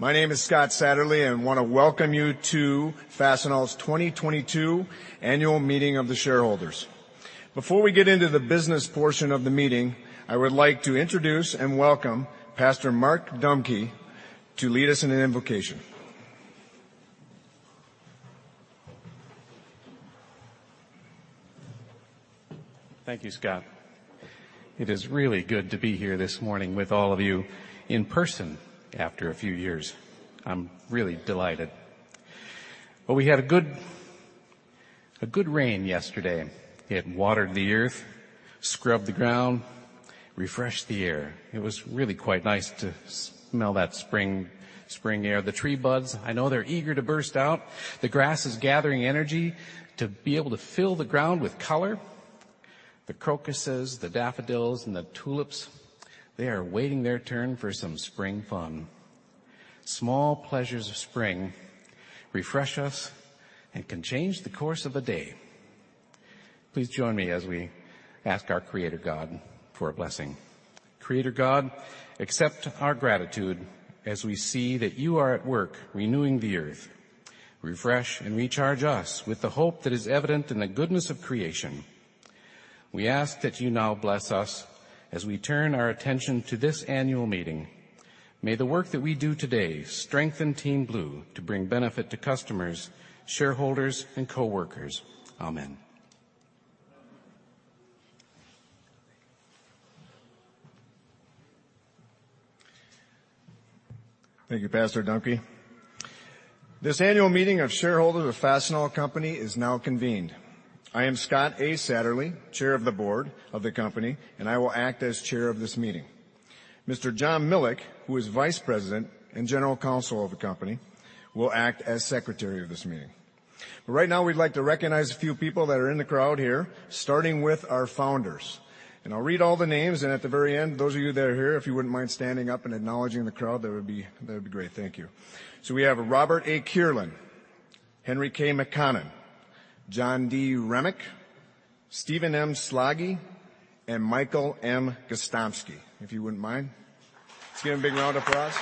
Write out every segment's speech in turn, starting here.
My name is Scott Satterlee, and I wanna welcome you to Fastenal's 2022 Annual Meeting of the Shareholders. Before we get into the business portion of the meeting, I would like to introduce and welcome Pastor Mark Dumke to lead us in an invocation. Thank you, Scott. It is really good to be here this morning with all of you in person after a few years. I'm really delighted. We had a good rain yesterday. It watered the earth, scrubbed the ground, refreshed the air. It was really quite nice to smell that spring air. The tree buds, I know they're eager to burst out. The grass is gathering energy to be able to fill the ground with color. The crocuses, the daffodils, and the tulips, they are waiting their turn for some spring fun. Small pleasures of spring refresh us and can change the course of a day. Please join me as we ask our Creator God for a blessing. Creator God, accept our gratitude as we see that you are at work renewing the earth. Refresh and recharge us with the hope that is evident in the goodness of creation. We ask that you now bless us as we turn our attention to this annual meeting. May the work that we do today strengthen Team Blue to bring benefit to customers, shareholders, and coworkers. Amen. Thank you, Pastor Mark Dumke. This annual meeting of shareholders of Fastenal Company is now convened. I am Scott A. Satterlee, Chair of the Board of the company, and I will act as chair of this meeting. Mr. John Milek, who is Vice President and General Counsel of the company, will act as Secretary of this meeting. Right now we'd like to recognize a few people that are in the crowd here, starting with our founders. I'll read all the names, and at the very end, those of you that are here, if you wouldn't mind standing up and acknowledging the crowd, that would be great. Thank you. We have Robert A. Kierlin, Henry K. McConnon, John D. Remick, Stephen M. Slaggie, and Michael M. Gostomski. If you wouldn't mind. Let's give him a big round of applause.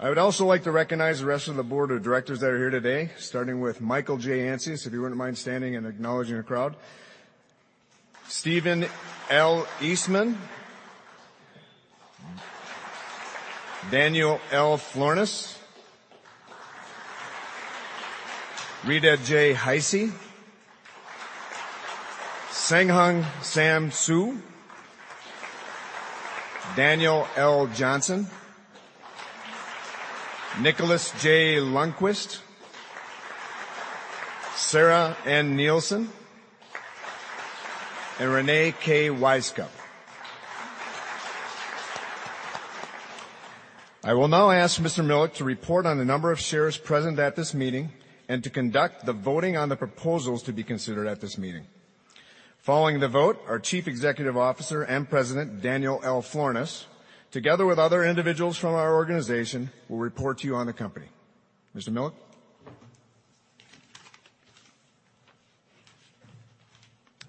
I would also like to recognize the rest of the board of directors that are here today, starting with Michael J. Ancius, if you wouldn't mind standing and acknowledging the crowd. Stephen L. Eastman. Daniel L. Florness. Rita J. Heise. Hsenghung Sam Hsu. Daniel L. Johnson. Nicholas J. Lundquist. Sarah N. Nielsen. And Reyne K. Wisecup. I will now ask Mr. Milek to report on the number of shares present at this meeting and to conduct the voting on the proposals to be considered at this meeting. Following the vote, our Chief Executive Officer and President, Daniel L. Florness, together with other individuals from our organization, will report to you on the company. Mr. Milek.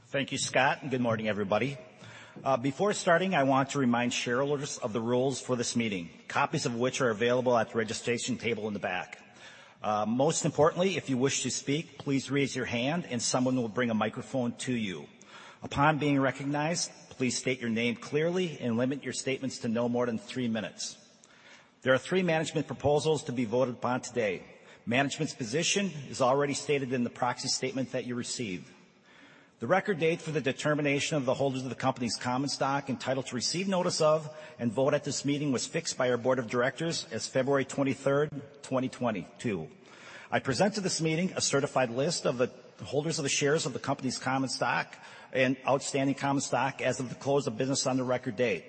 Thank you, Scott, and good morning, everybody. Before starting, I want to remind shareholders of the rules for this meeting, copies of which are available at the registration table in the back. Most importantly, if you wish to speak, please raise your hand, and someone will bring a microphone to you. Upon being recognized, please state your name clearly and limit your statements to no more than three minutes. There are three management proposals to be voted upon today. Management's position is already stated in the proxy statement that you received. The record date for the determination of the holders of the company's common stock entitled to receive notice of and vote at this meeting was fixed by our board of directors as 23 February 2022. I present to this meeting a certified list of the holders of the shares of the company's common stock and outstanding common stock as of the close of business on the record date.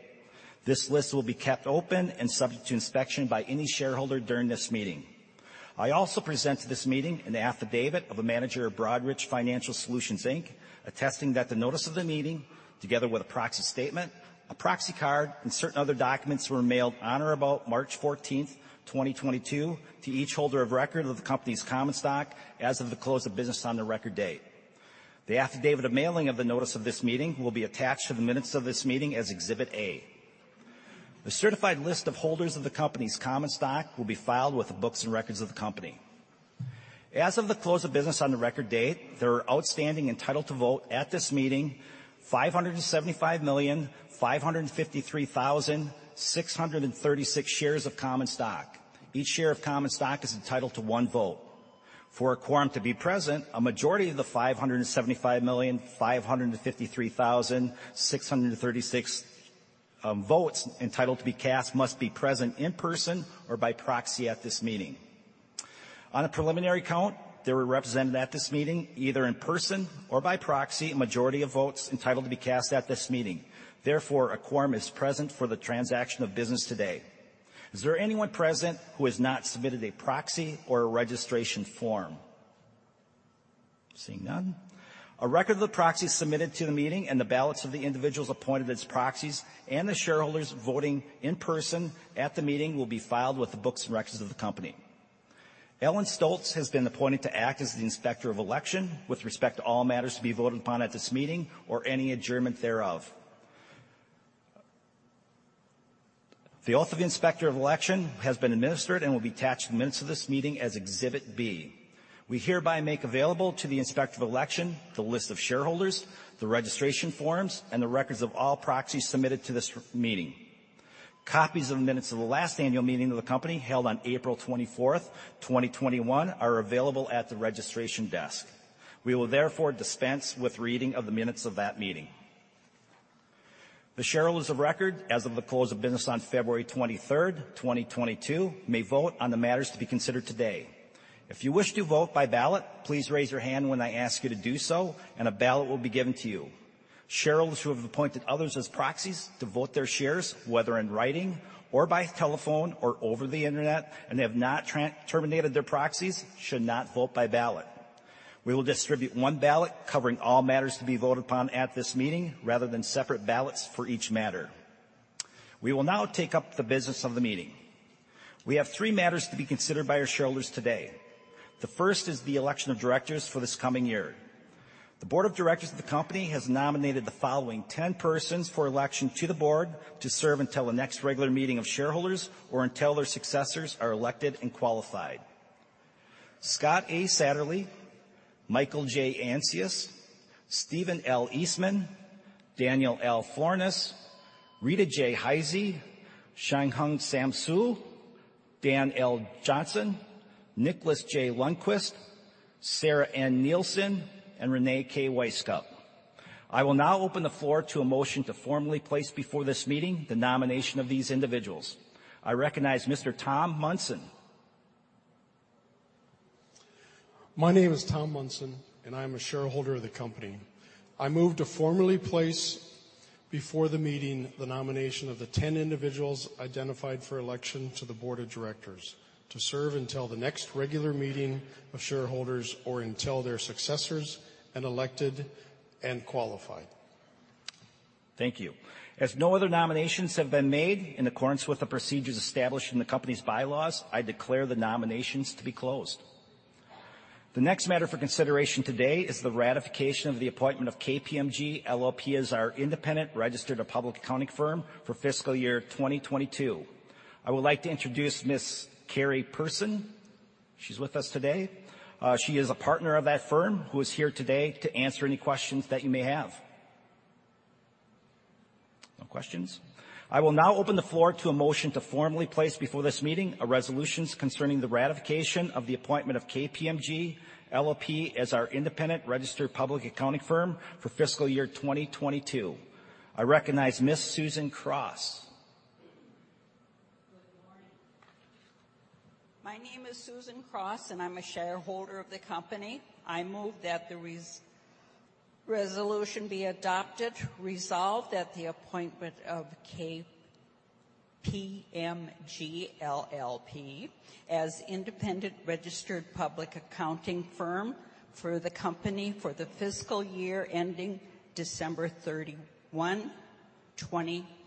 This list will be kept open and subject to inspection by any shareholder during this meeting. I also present to this meeting an affidavit of a manager of Broadridge Financial Solutions, Inc., attesting that the notice of the meeting, together with a proxy statement, a proxy card, and certain other documents were mailed on or about 14 March 2022 to each holder of record of the company's common stock as of the close of business on the record date. The affidavit of mailing of the notice of this meeting will be attached to the minutes of this meeting as Exhibit A. The certified list of holders of the company's common stock will be filed with the books and records of the company. As of the close of business on the record date, there are outstanding entitled to vote at this meeting 575,553,636 shares. Each share of common stock is entitled to one vote. For a quorum to be present, a majority of the 575,553,636 votes entitled to be cast must be present in person or by proxy at this meeting. On a preliminary count, there were represented at this meeting, either in person or by proxy, a majority of votes entitled to be cast at this meeting. Therefore, a quorum is present for the transaction of business today. Is there anyone present who has not submitted a proxy or a registration form? Seeing none. A record of the proxies submitted to the meeting and the ballots of the individuals appointed as proxies and the shareholders voting in person at the meeting will be filed with the books and records of the company. Ellen Stoltz has been appointed to act as the Inspector of Election with respect to all matters to be voted upon at this meeting or any adjournment thereof. The Oath of Inspector of Election has been administered and will be attached to the minutes of this meeting as Exhibit B. We hereby make available to the Inspector of Election the list of shareholders, the registration forms, and the records of all proxies submitted to this meeting. Copies of the minutes of the last annual meeting of the company held on 24 April 2021 are available at the registration desk. We will therefore dispense with reading of the minutes of that meeting. The shareholders of record as of the close of business on 23 February 2022 may vote on the matters to be considered today. If you wish to vote by ballot, please raise your hand when I ask you to do so, and a ballot will be given to you. Shareholders who have appointed others as proxies to vote their shares, whether in writing or by telephone or over the internet, and have not terminated their proxies should not vote by ballot. We will distribute one ballot covering all matters to be voted upon at this meeting, rather than separate ballots for each matter. We will now take up the business of the meeting. We have three matters to be considered by our shareholders today. The first is the election of directors for this coming year. The board of directors of the company has nominated the following ten persons for election to the board to serve until the next regular meeting of shareholders or until their successors are elected and qualified. Scott A. Satterlee, Michael J. Ancius, Stephen L. Eastman, Daniel L. Florness, Rita J. Heise, Hsenghung Sam Hsu, Daniel L. Johnson, Nicholas J. Lundquist, Sarah N. Nielsen, and Reyne K. Wisecup. I will now open the floor to a motion to formally place before this meeting the nomination of these individuals. I recognize Mr. Tom Munson. My name is Tom Munson, and I am a shareholder of the company. I move to formally place before the meeting the nomination of the 10 individuals identified for election to the board of directors to serve until the next regular meeting of shareholders or until their successors and elected and qualified. Thank you. As no other nominations have been made, in accordance with the procedures established in the company's bylaws, I declare the nominations to be closed. The next matter for consideration today is the ratification of the appointment of KPMG LLP as our independent registered public accounting firm for fiscal year 2022. I would like to introduce [Ms. Carrie Person]. She's with us today. She is a partner of that firm who is here today to answer any questions that you may have. No questions? I will now open the floor to a motion to formally place before this meeting a resolutions concerning the ratification of the appointment of KPMG LLP as our independent registered public accounting firm for fiscal year 2022. I recognize Ms. Susan [Kross]. Good morning. My name is Susan [Kross], and I'm a shareholder of the company. I move that the resolution be adopted, resolves that the appointment of KPMG LLP as independent registered public accounting firm for the company for the fiscal year ending 31 December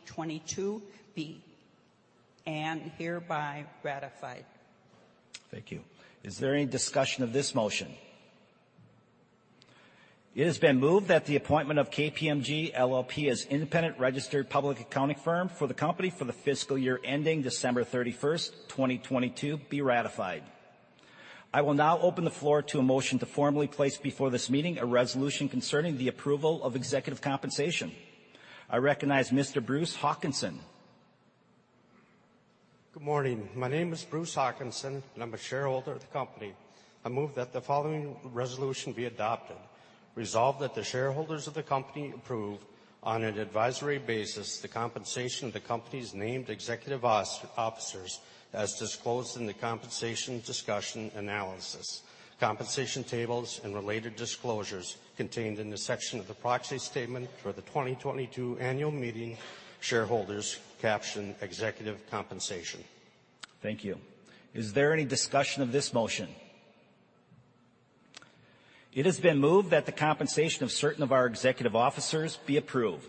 2022 be and hereby ratified. Thank you. Is there any discussion of this motion? It has been moved that the appointment of KPMG LLP as independent registered public accounting firm for the company for the fiscal year ending 31 December 2022 be ratified. I will now open the floor to a motion to formally place before this meeting a resolution concerning the approval of executive compensation. I recognize Mr. Bruce Hawkinson. Good morning. My name is Bruce Hawkinson, and I'm a shareholder of the company. I move that the following resolution be adopted. Resolve that the shareholders of the company approve on an advisory basis the compensation of the company's named executive officers as disclosed in the compensation discussion analysis, compensation tables, and related disclosures contained in the section of the proxy statement for the 2022 annual meeting shareholders captioned Executive Compensation. Thank you. Is there any discussion of this motion? It has been moved that the compensation of certain of our executive officers be approved.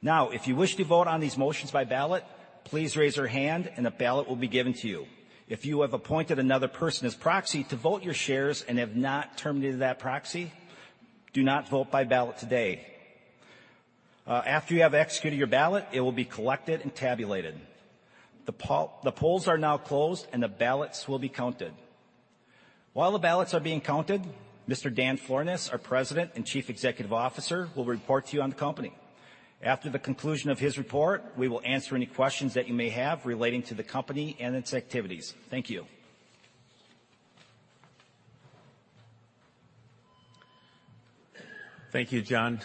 Now, if you wish to vote on these motions by ballot, please raise your hand and a ballot will be given to you. If you have appointed another person as proxy to vote your shares and have not terminated that proxy, do not vote by ballot today. After you have executed your ballot, it will be collected and tabulated. The polls are now closed, and the ballots will be counted. While the ballots are being counted, Mr. Dan Florness, our President and Chief Executive Officer, will report to you on the company. After the conclusion of his report, we will answer any questions that you may have relating to the company and its activities. Thank you. Thank you, John,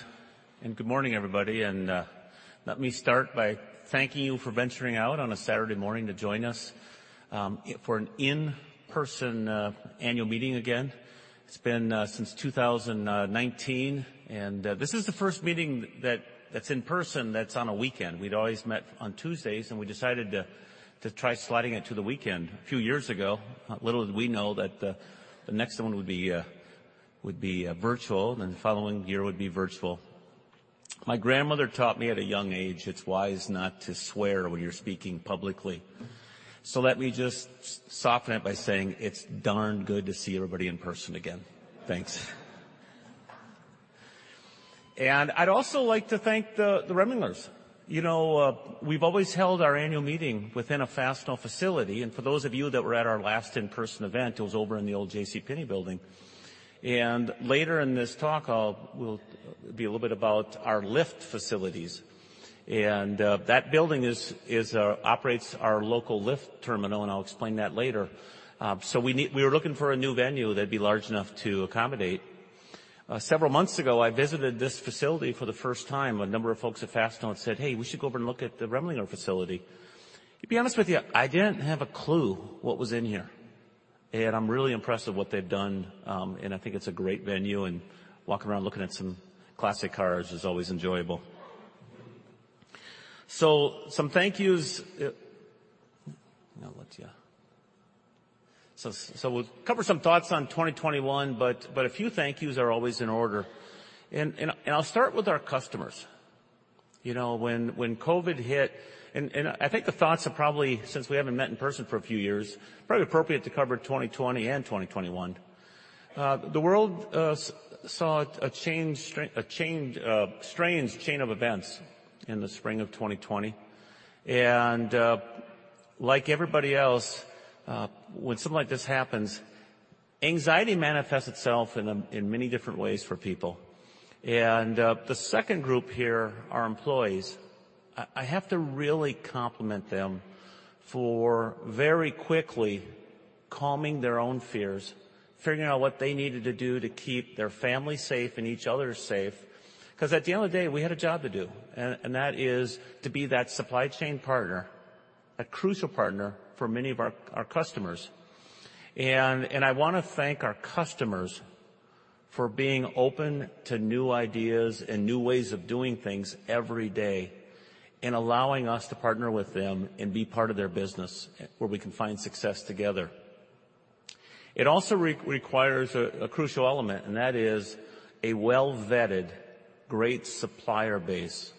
and good morning, everybody. Let me start by thanking you for venturing out on a Saturday morning to join us for an in-person annual meeting again. It's been since 2019 and this is the first meeting that's in person that's on a weekend. We'd always met on Tuesdays, and we decided to try sliding it to the weekend a few years ago. Little did we know that the next one would be virtual, and then the following year would be virtual. My grandmother taught me at a young age it's wise not to swear when you're speaking publicly. So let me just soften it by saying it's darn good to see everybody in person again. Thanks. I'd also like to thank the Remlingers. You know, we've always held our annual meeting within a Fastenal facility, and for those of you that were at our last in-person event, it was over in the old JCPenney building. Later in this talk, we'll be a little bit about our lift facilities. That building operates our local lift terminal, and I'll explain that later. We were looking for a new venue that'd be large enough to accommodate. Several months ago, I visited this facility for the first time. A number of folks at Fastenal had said, "Hey, we should go over and look at the Remlingers facility." To be honest with you, I didn't have a clue what was in here. I'm really impressed with what they've done, and I think it's a great venue, and walking around looking at some classic cars is always enjoyable. Some thank yous. We'll cover some thoughts on 2021, but a few thank yous are always in order. I'll start with our customers. You know, when COVID hit, and I think the thoughts are probably, since we haven't met in person for a few years, appropriate to cover 2020 and 2021. The world saw a strange chain of events in the spring of 2020. Like everybody else, when something like this happens, anxiety manifests itself in many different ways for people. The second group here are employees. I have to really compliment them for very quickly calming their own fears, figuring out what they needed to do to keep their family safe and each other safe, 'cause at the end of the day, we had a job to do. That is to be that supply chain partner, a crucial partner for many of our customers. I wanna thank our customers for being open to new ideas and new ways of doing things every day, and allowing us to partner with them and be part of their business where we can find success together. It also requires a crucial element, and that is a well-vetted, great supplier base,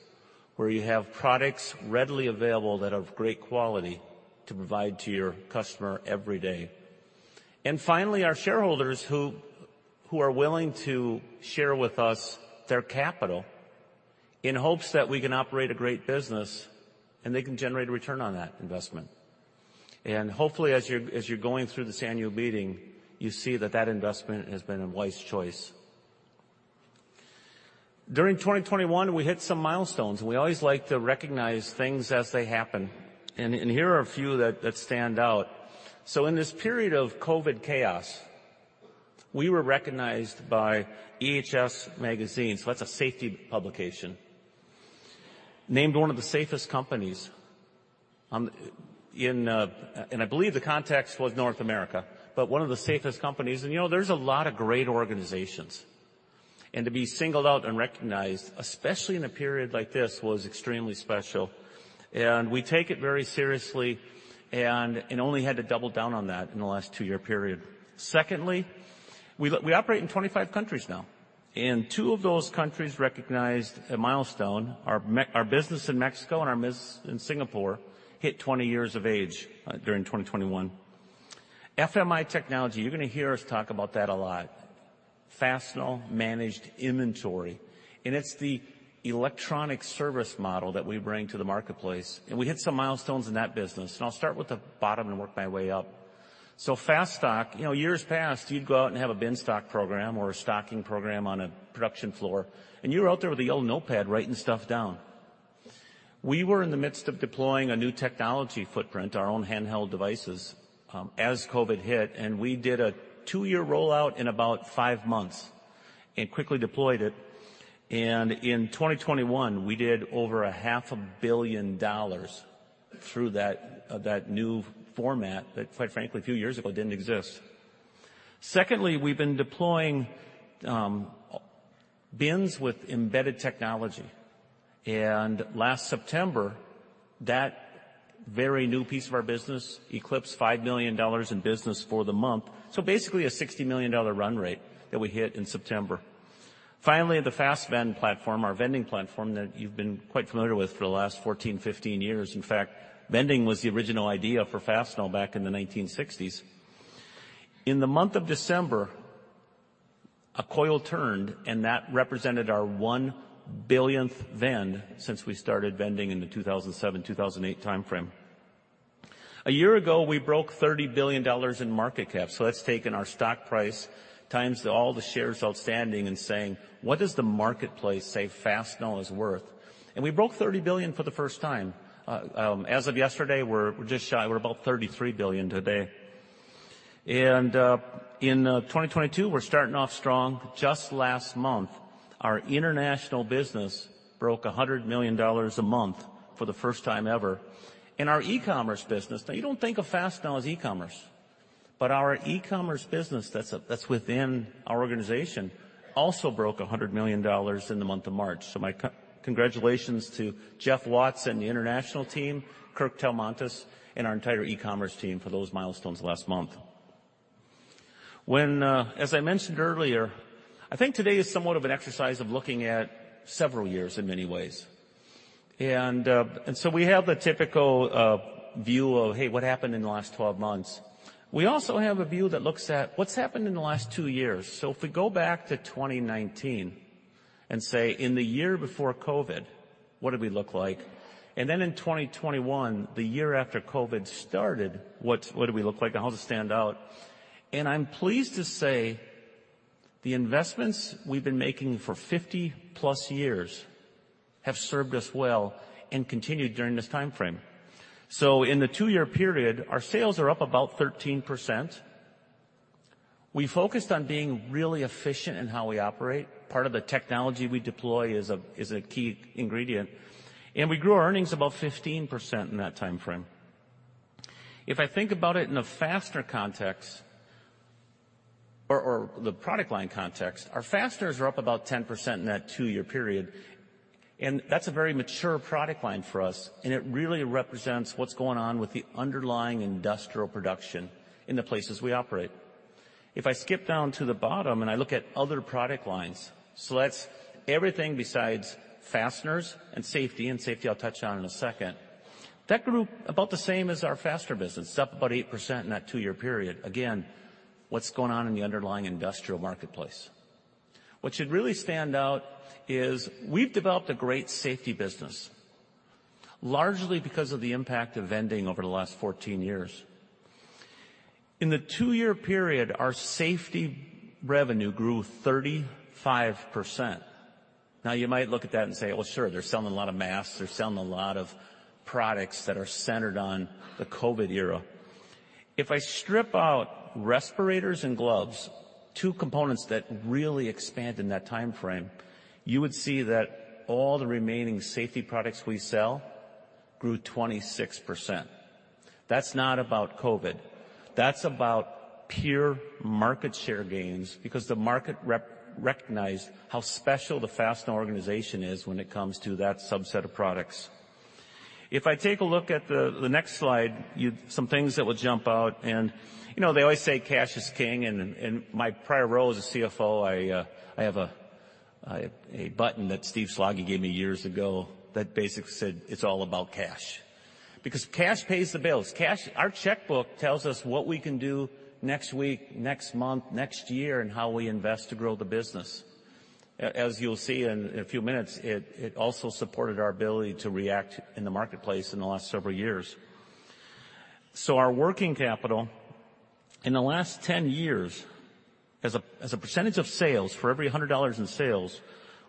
where you have products readily available that have great quality to provide to your customer every day. Finally, our shareholders who are willing to share with us their capital in hopes that we can operate a great business, and they can generate a return on that investment. Hopefully, as you're going through this annual meeting, you see that investment has been a wise choice. During 2021, we hit some milestones, and we always like to recognize things as they happen, and here are a few that stand out. In this period of COVID chaos, we were recognized by EHS Today, so that's a safety publication, named one of the safest companies in North America. I believe the context was North America, but one of the safest companies. You know, there's a lot of great organizations, and to be singled out and recognized, especially in a period like this, was extremely special. We take it very seriously and only had to double down on that in the last two-year period. Secondly, we operate in 25 countries now, and two of those countries recognized a milestone. Our business in Mexico and our biz in Singapore hit 20 years of age during 2021. FMI Technology, you're gonna hear us talk about that a lot. Fastenal Managed Inventory, and it's the electronic service model that we bring to the marketplace. We hit some milestones in that business, and I'll start with the bottom and work my way up. FASTStock, you know, years past, you'd go out and have a bin stock program or a stocking program on a production floor, and you were out there with a yellow notepad writing stuff down. We were in the midst of deploying a new technology footprint, our own handheld devices, as COVID hit, and we did a two-year rollout in about 5 months and quickly deployed it. In 2021, we did over half a billion dollars through that new format that, quite frankly, a few years ago didn't exist. Secondly, we've been deploying bins with embedded technology. Last September, that very new piece of our business eclipsed $5 million in business for the month. Basically a $60 million run rate that we hit in September. Finally, the FASTVend platform, our vending platform that you've been quite familiar with for the last 14, 15 years. In fact, vending was the original idea for Fastenal back in the 1960s. In the month of December, a milestone represented our 1 billionth vend since we started vending in the 2007, 2008 timeframe. A year ago, we broke $30 billion in market cap. That's taken our stock price times all the shares outstanding and saying, "What does the marketplace say Fastenal is worth?" We broke $30 billion for the first time. As of yesterday, we're just shy. We're about $33 billion today. In 2022, we're starting off strong. Just last month, our international business broke $100 million a month for the first time ever. Our e-commerce business, now you don't think of Fastenal as e-commerce, but our e-commerce business that's within our organization also broke $100 million in the month of March. My co-congratulations to Jeff Watts and the international team, Kirk Talmontas, and our entire e-commerce team for those milestones last month. As I mentioned earlier, I think today is somewhat of an exercise of looking at several years in many ways. We have the typical view of, "Hey, what happened in the last 12 months?" We also have a view that looks at what's happened in the last 2 years. If we go back to 2019 and say, "In the year before COVID, what did we look like? And then in 2021, the year after COVID started, what did we look like, and how does it stand out?" I'm pleased to say the investments we've been making for 50-plus years have served us well and continued during this timeframe. In the two-year period, our sales are up about 13%. We focused on being really efficient in how we operate. Part of the technology we deploy is a key ingredient. We grew our earnings about 15% in that timeframe. If I think about it in a fastener context or the product line context, our fasteners are up about 10% in that two-year period, and that's a very mature product line for us, and it really represents what's going on with the underlying industrial production in the places we operate. If I skip down to the bottom and I look at other product lines, that's everything besides fasteners and safety, and safety I'll touch on in a second. That grew about the same as our fastener business, up about 8% in that two-year period. Again, what's going on in the underlying industrial marketplace. What should really stand out is we've developed a great safety business, largely because of the impact of vending over the last 14 years. In the two-year period, our safety revenue grew 35%. Now, you might look at that and say, "Well, sure, they're selling a lot of masks. They're selling a lot of products that are centered on the COVID era." If I strip out respirators and gloves, two components that really expand in that timeframe, you would see that all the remaining safety products we sell grew 26%. That's not about COVID. That's about pure market share gains because the market recognized how special the Fastenal organization is when it comes to that subset of products. If I take a look at the next slide, some things that will jump out and, you know, they always say cash is king. In my prior role as a CFO, I have a button that Steve Slaggie gave me years ago that basically said, "It's all about cash." Because cash pays the bills. Our checkbook tells us what we can do next week, next month, next year, and how we invest to grow the business. As you'll see in a few minutes, it also supported our ability to react in the marketplace in the last several years. Our working capital in the last 10 years as a percentage of sales, for every $100 in sales,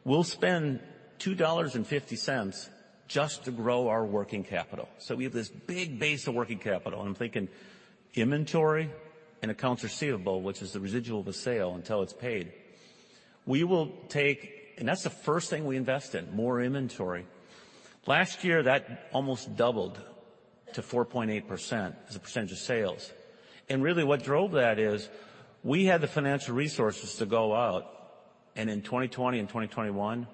we'll spend $2.50 just to grow our working capital. We have this big base of working capital, and I'm thinking inventory and accounts receivable, which is the residual of a sale until it's paid. That's the first thing we invest in, more inventory. Last year, that almost doubled to 4.8% as a percentage of sales. Really, what drove that is we had the financial resources to go out, and in 2020 and 2021,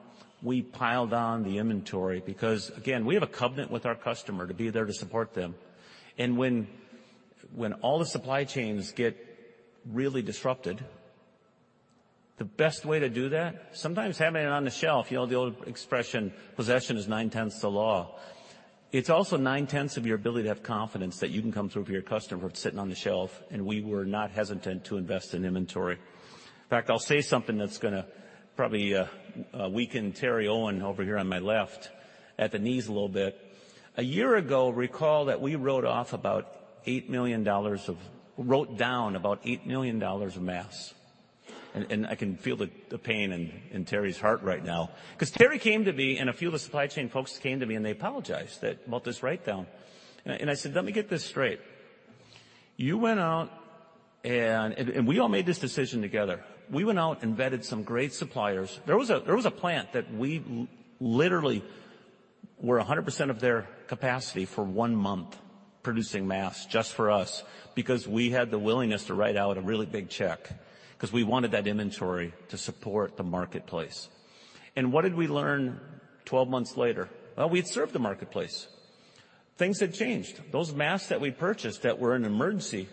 we piled on the inventory because, again, we have a covenant with our customer to be there to support them. When all the supply chains get really disrupted, the best way to do that, sometimes having it on the shelf, you know, the old expression, possession is nine-tenths of the law. It's also nine-tenths of your ability to have confidence that you can come through for your customer if it's sitting on the shelf, and we were not hesitant to invest in inventory. In fact, I'll say something that's gonna probably weaken Terry Owen over here on my left at the knees a little bit. A year ago, recall that we wrote down about $8 million of masks. I can feel the pain in Terry's heart right now. 'Cause Terry came to me, and a few of the supply chain folks came to me, and they apologized about this writedown. We all made this decision together. We went out and vetted some great suppliers. There was a plant that we literally were 100% of their capacity for one month producing masks just for us because we had the willingness to write out a really big check 'cause we wanted that inventory to support the marketplace. What did we learn 12 months later? Well, we had served the marketplace. Things had changed. Those masks that we purchased that were an emergency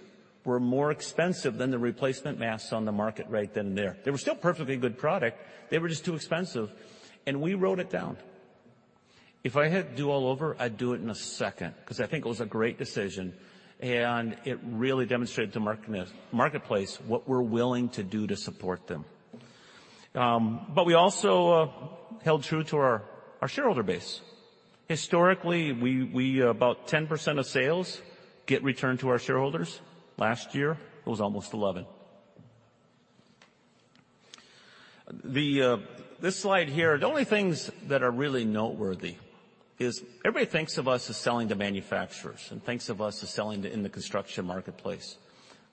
were more expensive than the replacement masks on the market right then and there. They were still perfectly good product. They were just too expensive, and we wrote it down. If I had to do it all over, I'd do it in a second, 'cause I think it was a great decision, and it really demonstrated to marketplace what we're willing to do to support them. We also held true to our shareholder base. Historically, we about 10% of sales get returned to our shareholders. Last year it was almost 11%. This slide here, the only things that are really noteworthy is everybody thinks of us as selling to manufacturers and thinks of us as selling to the construction marketplace.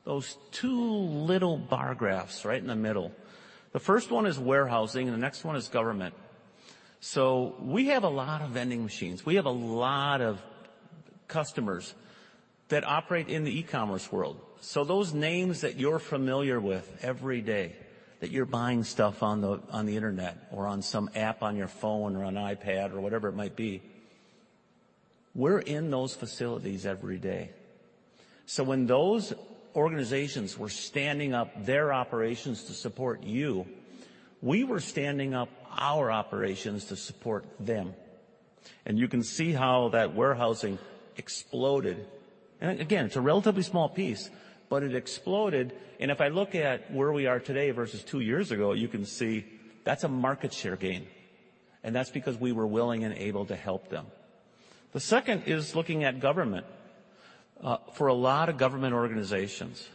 Those two little bar graphs right in the middle, the first one is warehousing, and the next one is government. We have a lot of vending machines. We have a lot of customers that operate in the e-commerce world. Those names that you're familiar with every day, that you're buying stuff on the internet or on some app on your phone or on iPad or whatever it might be. We're in those facilities every day. When those organizations were standing up their operations to support you, we were standing up our operations to support them. You can see how that warehousing exploded. Again, it's a relatively small piece, but it exploded. If I look at where we are today versus 2 years ago, you can see that's a market share gain, and that's because we were willing and able to help them. The second is looking at government. For a lot of government organizations,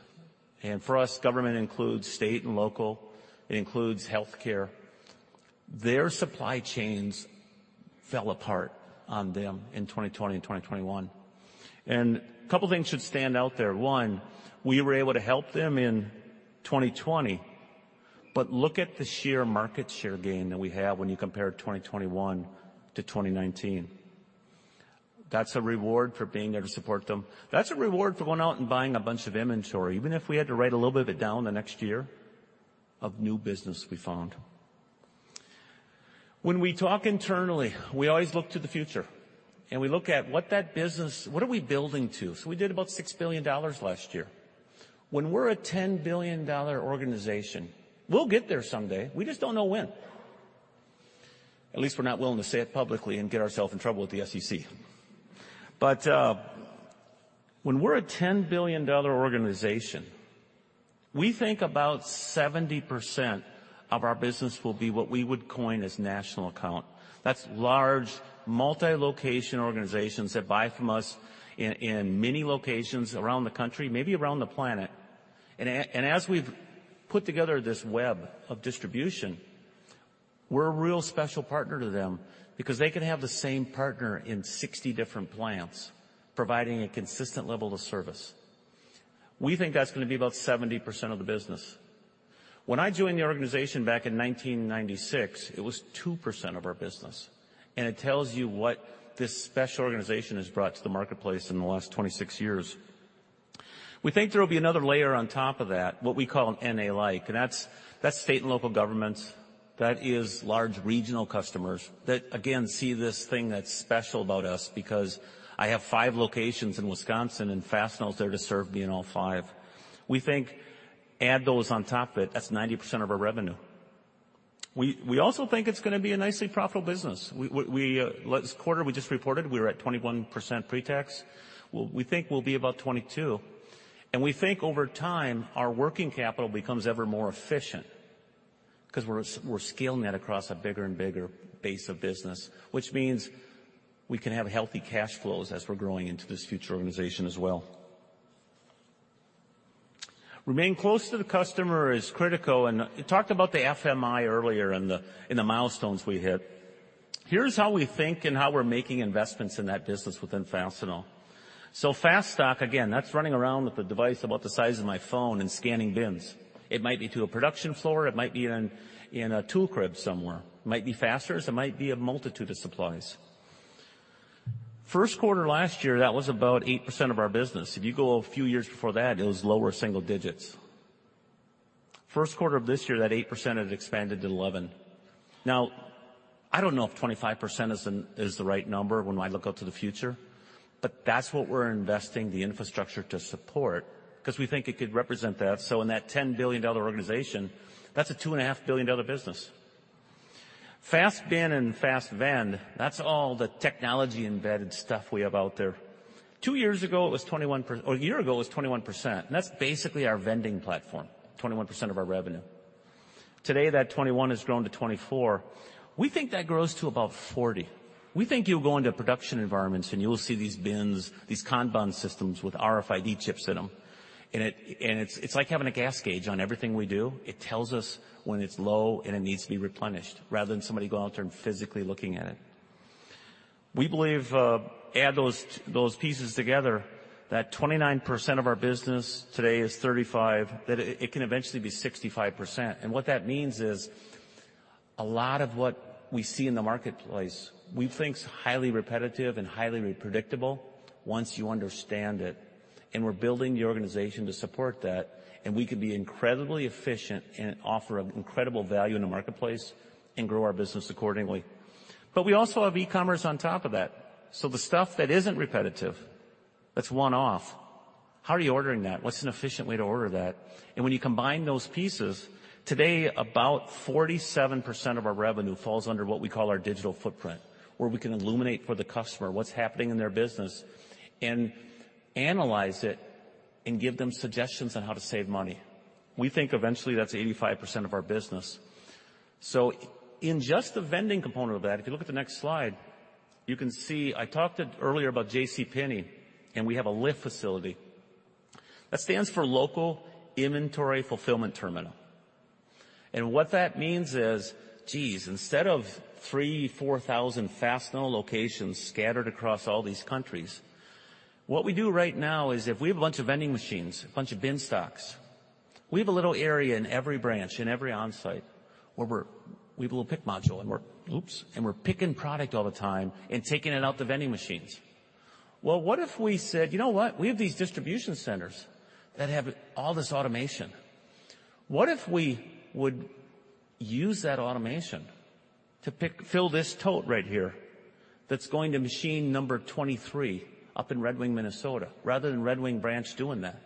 and for us, government includes state and local. It includes healthcare. Their supply chains fell apart on them in 2020 and 2021. A couple of things should stand out there. One, we were able to help them in 2020, but look at the sheer market share gain that we have when you compare 2021 to 2019. That's a reward for being there to support them. That's a reward for going out and buying a bunch of inventory, even if we had to write a little bit of it down the next year of new business we found. When we talk internally, we always look to the future, and we look at what that business, what are we building to? We did about $6 billion last year. When we're a $10 billion organization, we'll get there someday, we just don't know when. At least we're not willing to say it publicly and get ourselves in trouble with the SEC. When we're a $10 billion organization, we think about 70% of our business will be what we would coin as national account. That's large, multi-location organizations that buy from us in many locations around the country, maybe around the planet. As we've put together this web of distribution, we're a real special partner to them because they can have the same partner in 60 different plants, providing a consistent level of service. We think that's gonna be about 70% of the business. When I joined the organization back in 1996, it was 2% of our business, and it tells you what this special organization has brought to the marketplace in the last 26 years. We think there will be another layer on top of that, what we call an NA-like, and that's state and local governments. That is large regional customers that again see this thing that's special about us because I have 5 locations in Wisconsin, and Fastenal is there to serve me in all 5. We think, add those on top of it, that's 90% of our revenue. We also think it's gonna be a nicely profitable business. Last quarter, we just reported we were at 21% pre-tax. We think we'll be about 22%, and we think over time, our working capital becomes ever more efficient 'cause we're scaling that across a bigger and bigger base of business, which means we can have healthy cash flows as we're growing into this future organization as well. Remain close to the customer is critical. I talked about the FMI earlier in the milestones we hit. Here's how we think and how we're making investments in that business within Fastenal. FASTStock, again, that's running around with a device about the size of my phone and scanning bins. It might be to a production floor, it might be in a tool crib somewhere. It might be fasteners. It might be a multitude of supplies. Q1 last year, that was about 8% of our business. If you go a few years before that, it was lower single digits. Q1 of this year, that 8% had expanded to 11%. Now, I don't know if 25% is the right number when I look out to the future, but that's what we're investing in the infrastructure to support 'cause we think it could represent that. In that $10 billion organization, that's a $2.5 billion business. FASTBin and FASTVend, that's all the technology-embedded stuff we have out there. Two years ago, it was 21%, or a year ago, it was 21%, and that's basically our vending platform, 21% of our revenue. Today that 21% has grown to 24%. We think that grows to about 40%. We think you'll go into production environments and you'll see these bins, these kanban systems with RFID chips in them. It's like having a gas gauge on everything we do. It tells us when it's low, and it needs to be replenished rather than somebody go out there and physically looking at it. We believe add those pieces together, that 29% of our business today is 35%, that it can eventually be 65%. What that means is a lot of what we see in the marketplace we think is highly repetitive and highly predictable once you understand it, and we're building the organization to support that. We can be incredibly efficient and offer incredible value in the marketplace and grow our business accordingly. We also have e-commerce on top of that. The stuff that isn't repetitive, that's one-off, how are you ordering that? What's an efficient way to order that? When you combine those pieces, today about 47% of our revenue falls under what we call our Digital Footprint, where we can illuminate for the customer what's happening in their business and analyze it and give them suggestions on how to save money. We think eventually that's 85% of our business. In just the vending component of that, if you look at the next slide, you can see I talked earlier about JCPenney, and we have a lift terminal. That stands for Local Inventory Fulfillment Terminal. What that means is, geez, instead of 3-4,000 Fastenal locations scattered across all these countries, what we do right now is if we have a bunch of vending machines, a bunch of bin stocks, we have a little area in every branch, in every onsite where we have a little pick module, and we're picking product all the time and taking it out the vending machines. Well, what if we said, "You know what? We have these distribution centers that have all this automation. What if we would use that automation to pick and fill this tote right here that's going to machine number 23 up in Red Wing, Minnesota, rather than Red Wing branch doing that?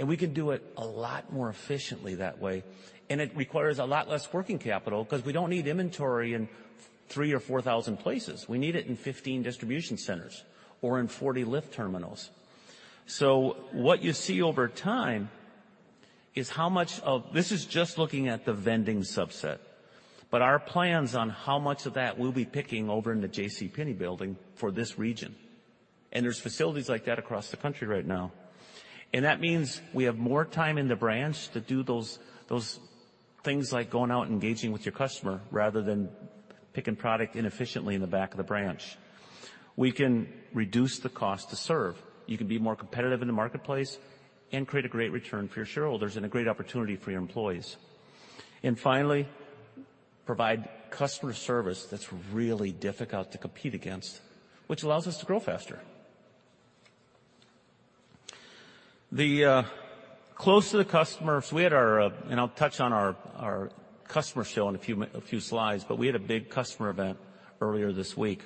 We can do it a lot more efficiently that way, and it requires a lot less working capital because we don't need inventory in 3,000 or 4,000 places. We need it in 15 distribution centers or in 40 lift terminals. What you see over time is how much of that we'll be picking over in the JCPenney building for this region. This is just looking at the vending subset, but our plans on how much of that we'll be picking over in the JCPenney building for this region. There are facilities like that across the country right now. That means we have more time in the branch to do those things like going out, engaging with your customer rather than picking product inefficiently in the back of the branch. We can reduce the cost to serve. You can be more competitive in the marketplace and create a great return for your shareholders and a great opportunity for your employees. Provide customer service that's really difficult to compete against, which allows us to grow faster. The close to the customer. I'll touch on our customer show in a few slides, but we had a big customer event earlier this week.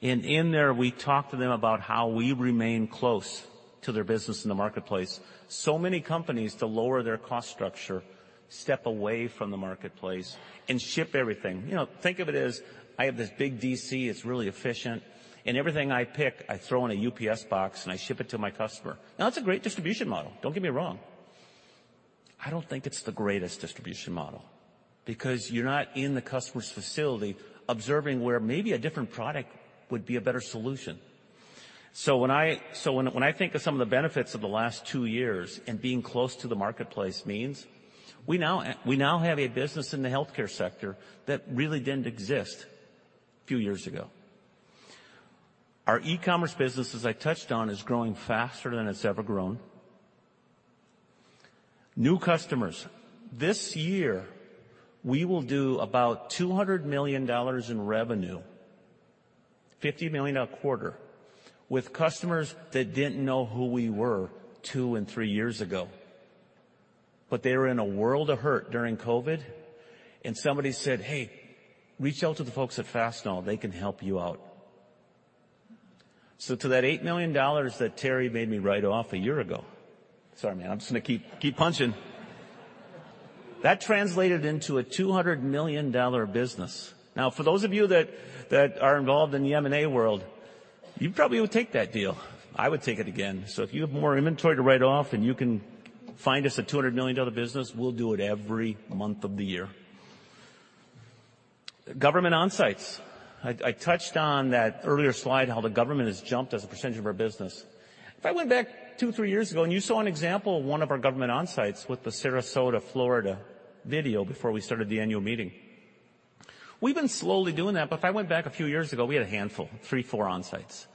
In there, we talked to them about how we remain close to their business in the marketplace. Many companies to lower their cost structure, step away from the marketplace and ship everything. You know, think of it as, I have this big DC, it's really efficient, and everything I pick, I throw in a UPS box, and I ship it to my customer. Now that's a great distribution model. Don't get me wrong. I don't think it's the greatest distribution model because you're not in the customer's facility observing where maybe a different product would be a better solution. When I think of some of the benefits of the last two years and being close to the marketplace means, we now have a business in the healthcare sector that really didn't exist a few years ago. Our e-commerce business, as I touched on, is growing faster than it's ever grown. New customers. This year we will do about $200 million in revenue, $50 million a quarter, with customers that didn't know who we were two and three years ago. They were in a world of hurt during COVID, and somebody said, "Hey, reach out to the folks at Fastenal. They can help you out." To that $8 million that Terry made me write off a year ago. Sorry, man, I'm just gonna keep punching. That translated into a $200 million business. Now, for those of you that are involved in the M&A world, you probably would take that deal. I would take it again. If you have more inventory to write off and you can find us a $200 million business, we'll do it every month of the year. Government onsites. I touched on that earlier slide, how the government has jumped as a percentage of our business. If I went back 2-3 years ago, and you saw an example of one of our government onsites with the Sarasota, Florida video before we started the annual meeting. We've been slowly doing that, but if I went back a few years ago, we had a handful, 3, 4 onsites.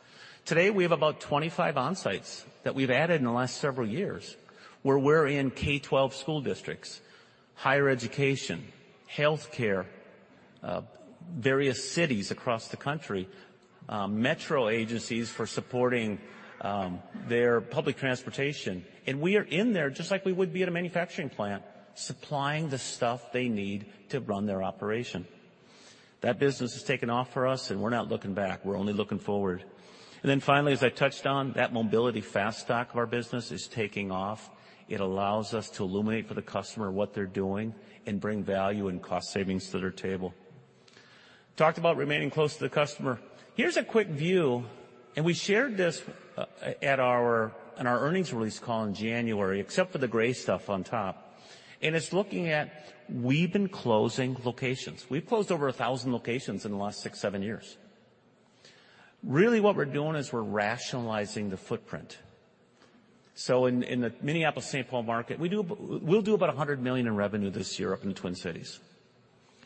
Today, we have about 25 onsites that we've added in the last several years, where we're in K12 school districts, higher education, healthcare, various cities across the country, metro agencies for supporting their public transportation. We are in there just like we would be at a manufacturing plant, supplying the stuff they need to run their operation. That business has taken off for us, and we're not looking back. We're only looking forward. Finally, as I touched on, that mobility FASTStock of our business is taking off. It allows us to illuminate for the customer what they're doing and bring value and cost savings to their table. Talked about remaining close to the customer. Here's a quick view. We shared this at our earnings release call in January, except for the gray stuff on top, and it's looking at we've been closing locations. We've closed over 1,000 locations in the last six, seven years. Really what we're doing is we're rationalizing the footprint. In the Minneapolis-Saint Paul market, we'll do about $100 million in revenue this year up in the Twin Cities.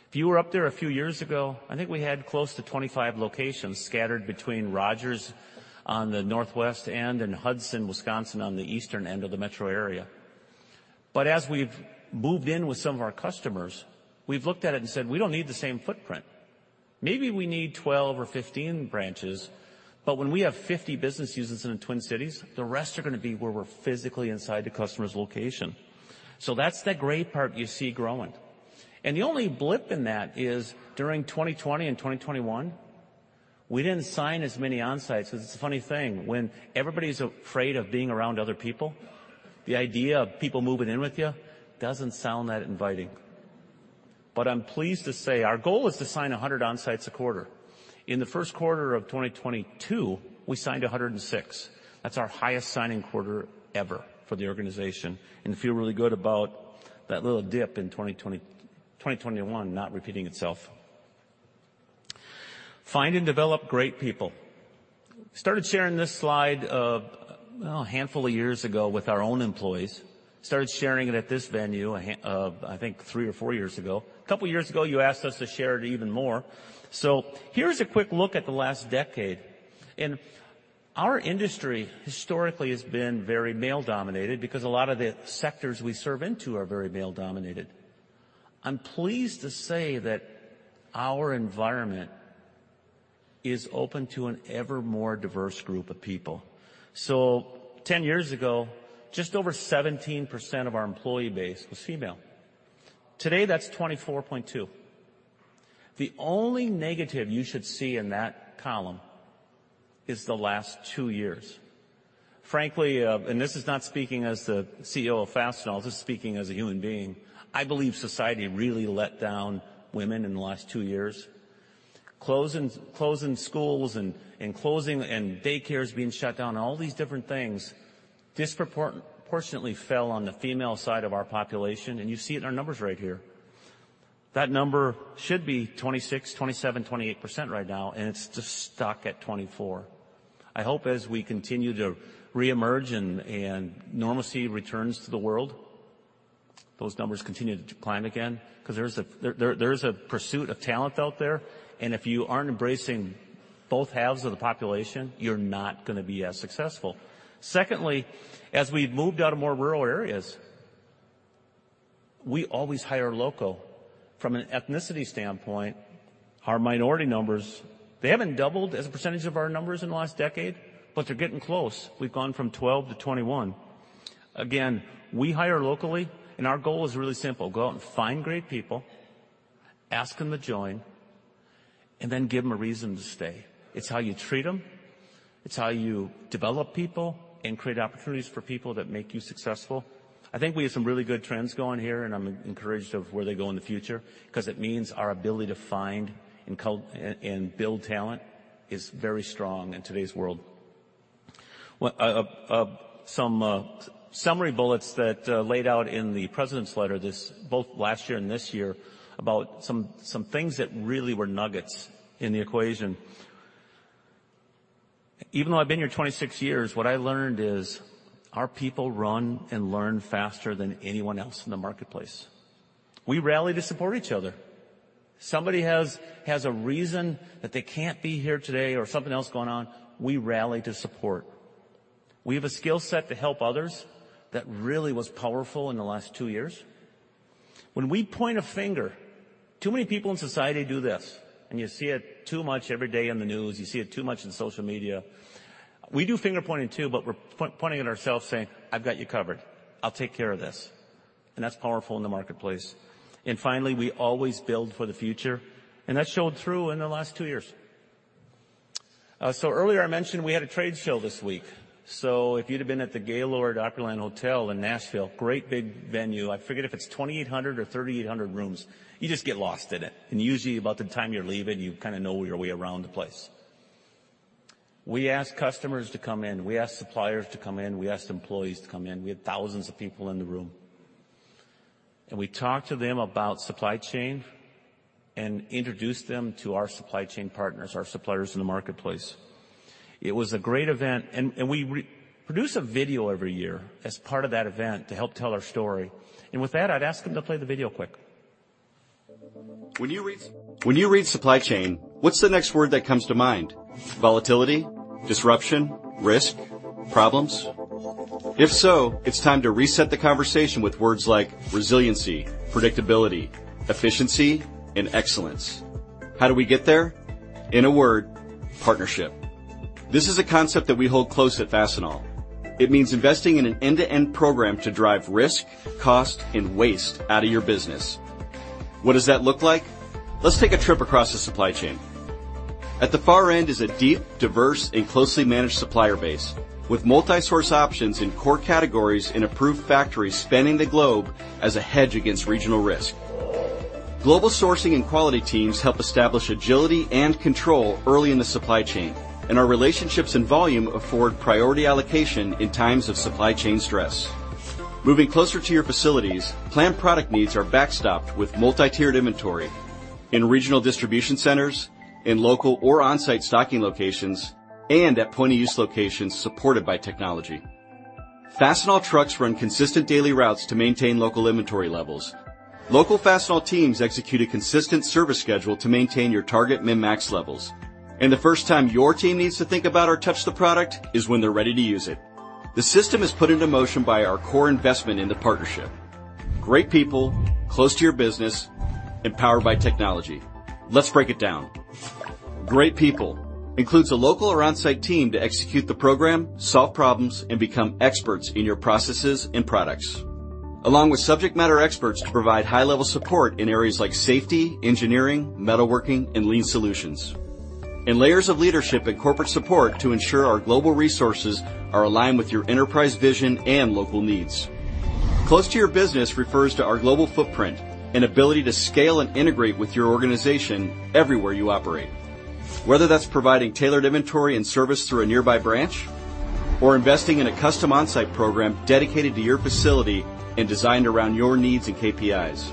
If you were up there a few years ago, I think we had close to 25 locations scattered between Rogers on the northwest end and Hudson, Wisconsin, on the eastern end of the metro area. As we've moved in with some of our customers, we've looked at it and said, "We don't need the same footprint." Maybe we need 12 or 15 branches, but when we have 50 business users in the Twin Cities, the rest are gonna be where we're physically inside the customer's location. That's the gray part you see growing. The only blip in that is during 2020 and 2021, we didn't sign as many onsites, which is a funny thing. When everybody's afraid of being around other people, the idea of people moving in with you doesn't sound that inviting. I'm pleased to say our goal is to sign 100 onsites a quarter. In the Q1 of 2022, we signed 106. That's our highest signing quarter ever for the organization and feel really good about that little dip in 2020, 2021 not repeating itself. Find and develop great people. Started sharing this slide a handful of years ago with our own employees. Started sharing it at this venue, I think 3 or 4 years ago. A couple of years ago, you asked us to share it even more. Here's a quick look at the last decade. Our industry historically has been very male-dominated because a lot of the sectors we serve into are very male-dominated. I'm pleased to say that our environment is open to an ever more diverse group of people. 10 years ago, just over 17% of our employee base was female. Today, that's 24.2%. The only negative you should see in that column is the last 2 years. Frankly, and this is not speaking as the CEO of Fastenal, just speaking as a human being, I believe society really let down women in the last two years. Closing schools and daycares being shut down, all these different things disproportionately fell on the female side of our population, and you see it in our numbers right here. That number should be 26%, 27%, 28% right now, and it's just stuck at 24%. I hope as we continue to reemerge and normalcy returns to the world, those numbers continue to climb again, 'cause there is a pursuit of talent out there, and if you aren't embracing both halves of the population, you're not gonna be as successful. Secondly, as we've moved out of more rural areas, we always hire local. From an ethnicity standpoint, our minority numbers, they haven't doubled as a percentage of our numbers in the last decade, but they're getting close. We've gone from 12 to 21. Again, we hire locally, and our goal is really simple. Go out and find great people, ask them to join, and then give them a reason to stay. It's how you treat them. It's how you develop people and create opportunities for people that make you successful. I think we have some really good trends going here, and I'm encouraged of where they go in the future, 'cause it means our ability to find and build talent is very strong in today's world. Well, some summary bullets that laid out in the president's letter this year, both last year and this year, about some things that really were nuggets in the equation. Even though I've been here 26 years, what I learned is our people run and learn faster than anyone else in the marketplace. We rally to support each other. Somebody has a reason that they can't be here today or something else going on, we rally to support. We have a skill set to help others that really was powerful in the last two years. When we point a finger, too many people in society do this, and you see it too much every day in the news, you see it too much in social media. We do finger-pointing, too, but we're pointing at ourselves saying, "I've got you covered. I'll take care of this." That's powerful in the marketplace. Finally, we always build for the future, and that showed through in the last two years. Earlier I mentioned we had a trade show this week. If you'd have been at the Gaylord Opryland Hotel in Nashville, great big venue. I forget if it's 2,800 or 3,800 rooms. You just get lost in it, and usually about the time you're leaving, you kinda know your way around the place. We ask customers to come in. We ask suppliers to come in. We ask employees to come in. We had thousands of people in the room. We talked to them about supply chain and introduced them to our supply chain partners, our suppliers in the marketplace. It was a great event, and we produce a video every year as part of that event to help tell our story. With that, I'd ask them to play the video quick. When you read supply chain, what's the next word that comes to mind? Volatility? Disruption? Risk? Problems? If so, it's time to reset the conversation with words like resiliency, predictability, efficiency, and excellence. How do we get there? In a word, partnership. This is a concept that we hold close at Fastenal. It means investing in an end-to-end program to drive risk, cost, and waste out of your business. What does that look like? Let's take a trip across the supply chain. At the far end is a deep, diverse, and closely managed supplier base with multi-source options in core categories and approved factories spanning the globe as a hedge against regional risk. Global sourcing and quality teams help establish agility and control early in the supply chain, and our relationships and volume afford priority allocation in times of supply chain stress. Moving closer to your facilities, planned product needs are backstopped with multi-tiered inventory in regional distribution centers, in local or on-site stocking locations, and at point-of-use locations supported by technology. Fastenal trucks run consistent daily routes to maintain local inventory levels. Local Fastenal teams execute a consistent service schedule to maintain your target min-max levels. The first time your team needs to think about or touch the product is when they're ready to use it. The system is put into motion by our core investment in the partnership. Great people, close to your business, and powered by technology. Let's break it down. Great people includes a local or on-site team to execute the program, solve problems, and become experts in your processes and products. Along with subject matter experts to provide high-level support in areas like safety, engineering, metalworking, and lean solutions. Layers of leadership and corporate support to ensure our global resources are aligned with your enterprise vision and local needs. Close to your business refers to our global footprint and ability to scale and integrate with your organization everywhere you operate, whether that's providing tailored inventory and service through a nearby branch or investing in a custom on-site program dedicated to your facility and designed around your needs and KPIs.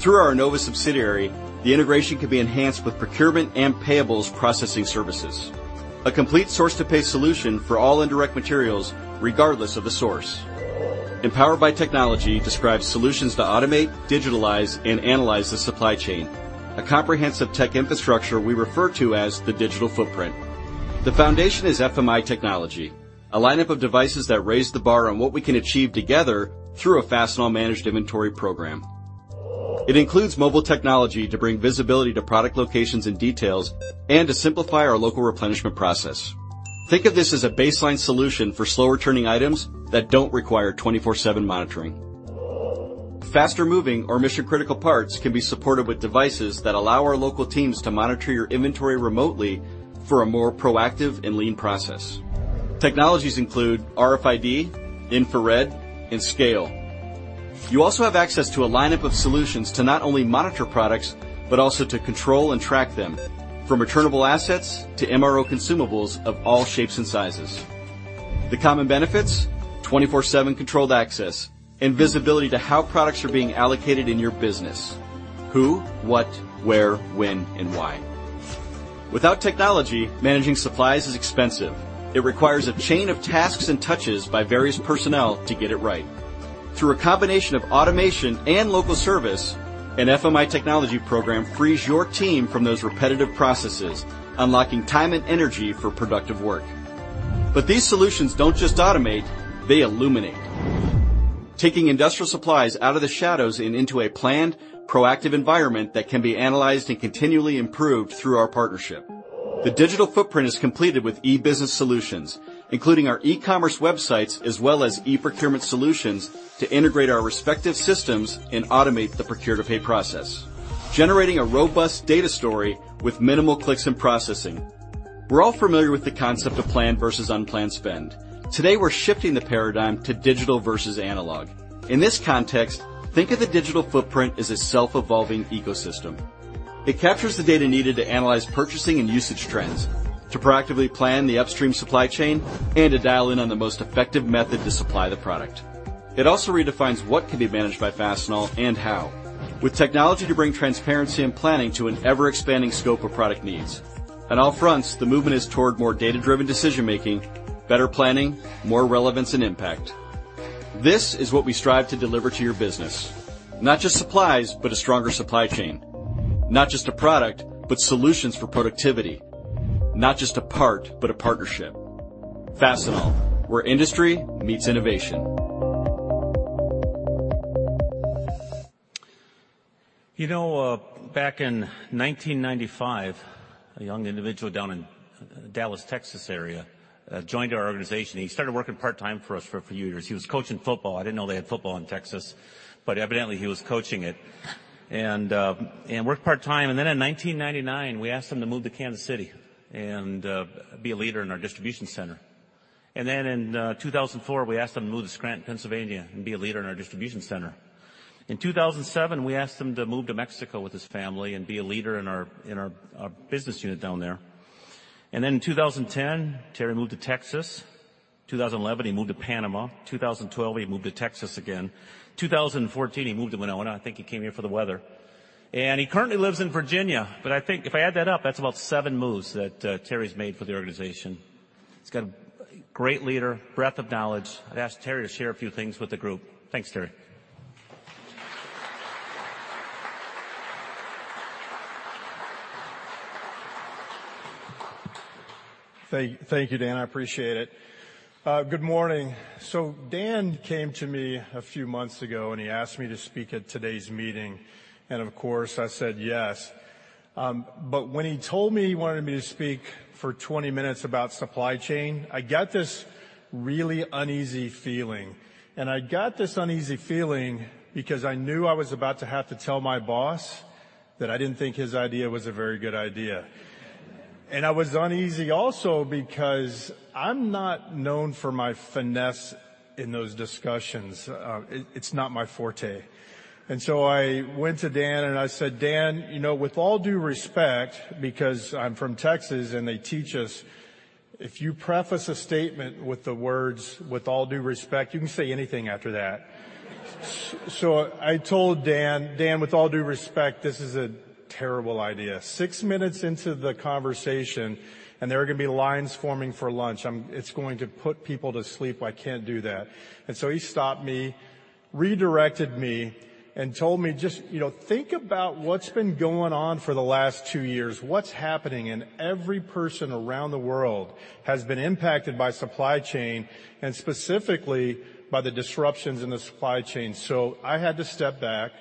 Through our Nova subsidiary, the integration can be enhanced with procurement and payables processing services. A complete source-to-pay solution for all indirect materials, regardless of the source. Empowered by technology describes solutions to automate, digitalize, and analyze the supply chain. A comprehensive tech infrastructure we refer to as the digital footprint. The foundation is FMI Technology, a lineup of devices that raise the bar on what we can achieve together through a Fastenal Managed Inventory program. It includes mobile technology to bring visibility to product locations and details and to simplify our local replenishment process. Think of this as a baseline solution for slow returning items that don't require 24/7 monitoring. Faster moving or mission-critical parts can be supported with devices that allow our local teams to monitor your inventory remotely for a more proactive and lean process. Technologies include RFID, infrared, and scale. You also have access to a lineup of solutions to not only monitor products, but also to control and track them, from returnable assets to MRO consumables of all shapes and sizes. The common benefits, 24/7 controlled access and visibility to how products are being allocated in your business. Who, what, where, when, and why. Without technology, managing supplies is expensive. It requires a chain of tasks and touches by various personnel to get it right. Through a combination of automation and local service, an FMI Technology program frees your team from those repetitive processes, unlocking time and energy for productive work. These solutions don't just automate, they illuminate, taking industrial supplies out of the shadows and into a planned, proactive environment that can be analyzed and continually improved through our partnership. The Digital Footprint is completed with e-business solutions, including our e-commerce websites, as well as e-procurement solutions to integrate our respective systems and automate the procure-to-pay process, generating a robust data story with minimal clicks and processing. We're all familiar with the concept of planned versus unplanned spend. Today, we're shifting the paradigm to digital versus analog. In this context, think of the Digital Footprint as a self-evolving ecosystem. It captures the data needed to analyze purchasing and usage trends, to proactively plan the upstream supply chain, and to dial in on the most effective method to supply the product. It also redefines what can be managed by Fastenal and how. With technology to bring transparency and planning to an ever-expanding scope of product needs. On all fronts, the movement is toward more data-driven decision-making, better planning, more relevance, and impact. This is what we strive to deliver to your business. Not just supplies, but a stronger supply chain. Not just a product, but solutions for productivity. Not just a part, but a partnership. Fastenal, where industry meets innovation. You know, back in 1995, a young individual down in the Dallas, Texas area joined our organization. He started working part-time for us for a few years. He was coaching football. I didn't know they had football in Texas, but evidently he was coaching it. He worked part-time. In 1999, we asked him to move to Kansas City and be a leader in our distribution center. In 2004, we asked him to move to Scranton, Pennsylvania, and be a leader in our distribution center. In 2007, we asked him to move to Mexico with his family and be a leader in our business unit down there. In 2010, Terry moved to Texas. In 2011, he moved to Panama. 2012, he moved to Texas again. 2014, he moved to Winona. I think he came here for the weather. He currently lives in Virginia, but I think if I add that up, that's about seven moves that Terry's made for the organization. He's got a great leader, breadth of knowledge. I'd ask Terry to share a few things with the group. Thanks, Terry. Thank you, Dan. I appreciate it. Good morning. Dan came to me a few months ago, and he asked me to speak at today's meeting, and of course, I said yes. When he told me he wanted me to speak for 20 minutes about supply chain, I got this really uneasy feeling. I got this uneasy feeling because I knew I was about to have to tell my boss that I didn't think his idea was a very good idea. I was uneasy also because I'm not known for my finesse in those discussions. It's not my forte. I went to Dan, and I said, "Dan, you know, with all due respect," because I'm from Texas, and they teach us, if you preface a statement with the words, with all due respect, you can say anything after that. I told Dan, "Dan, with all due respect, this is a terrible idea. Six minutes into the conversation, and there are gonna be lines forming for lunch. It's going to put people to sleep. I can't do that." He stopped me, redirected me, and told me, "Just, you know, think about what's been going on for the last two years, what's happening, and every person around the world has been impacted by supply chain, and specifically by the disruptions in the supply chain." I had to step back,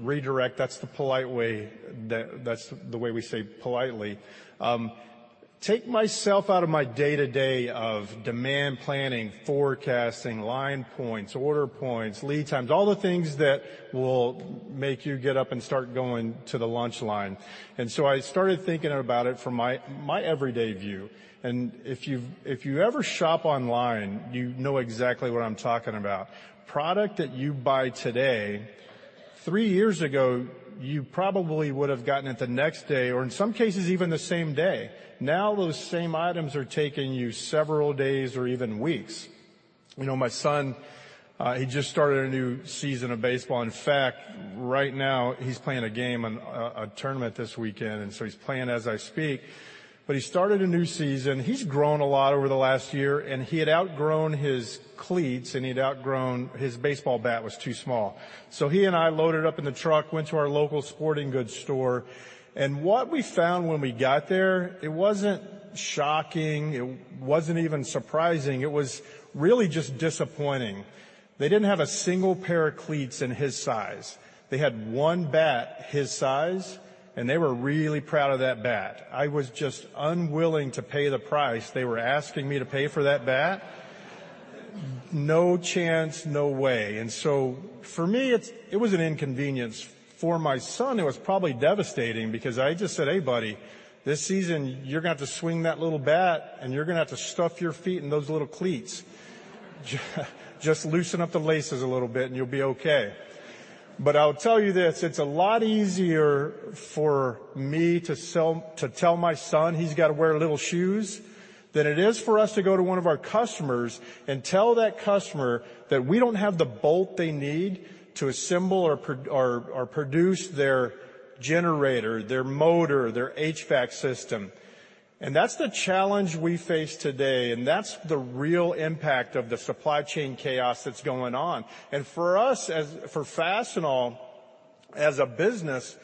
redirect. That's the polite way, that's the way we say politely. Take myself out of my day-to-day of demand planning, forecasting, line points, order points, lead times, all the things that will make you get up and start going to the lunch line. I started thinking about it from my everyday view. If you've ever shopped online, you know exactly what I'm talking about. Product that you buy today, three years ago, you probably would've gotten it the next day, or in some cases, even the same day. Now, those same items are taking you several days or even weeks. You know, my son, he just started a new season of baseball. In fact, right now he's playing a game on a tournament this weekend, and so he's playing as I speak. But he started a new season. He's grown a lot over the last year, and he had outgrown his cleats, and he'd outgrown his baseball bat was too small. He and I loaded up in the truck, went to our local sporting goods store, and what we found when we got there, it wasn't shocking, it wasn't even surprising. It was really just disappointing. They didn't have a single pair of cleats in his size. They had one bat his size, and they were really proud of that bat. I was just unwilling to pay the price they were asking me to pay for that bat. No chance, no way. For me, it's, it was an inconvenience. For my son, it was probably devastating because I just said, "Hey, buddy, this season you're gonna have to swing that little bat, and you're gonna have to stuff your feet in those little cleats. Just loosen up the laces a little bit, and you'll be okay." I'll tell you this, it's a lot easier for me to tell my son he's gotta wear little shoes than it is for us to go to one of our customers and tell that customer that we don't have the bolt they need to assemble or produce their generator, their motor, their HVAC system. That's the challenge we face today, and that's the real impact of the supply chain chaos that's going on. For Fastenal as a business,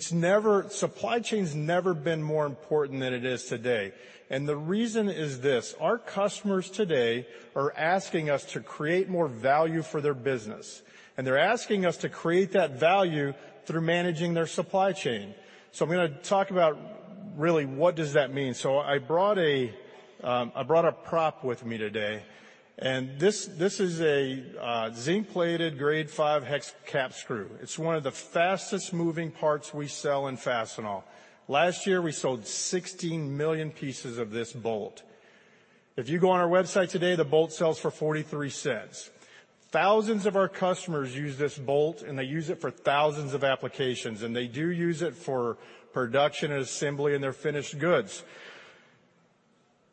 supply chain's never been more important than it is today. The reason is this: our customers today are asking us to create more value for their business, and they're asking us to create that value through managing their supply chain. I'm gonna talk about really what does that mean. I brought a prop with me today, and this is a zinc-plated grade five hex cap screw. It's one of the fastest-moving parts we sell in Fastenal. Last year, we sold 16 million pieces of this bolt. If you go on our website today, the bolt sells for $0.43. Thousands of our customers use this bolt, and they use it for thousands of applications, and they do use it for production and assembly in their finished goods.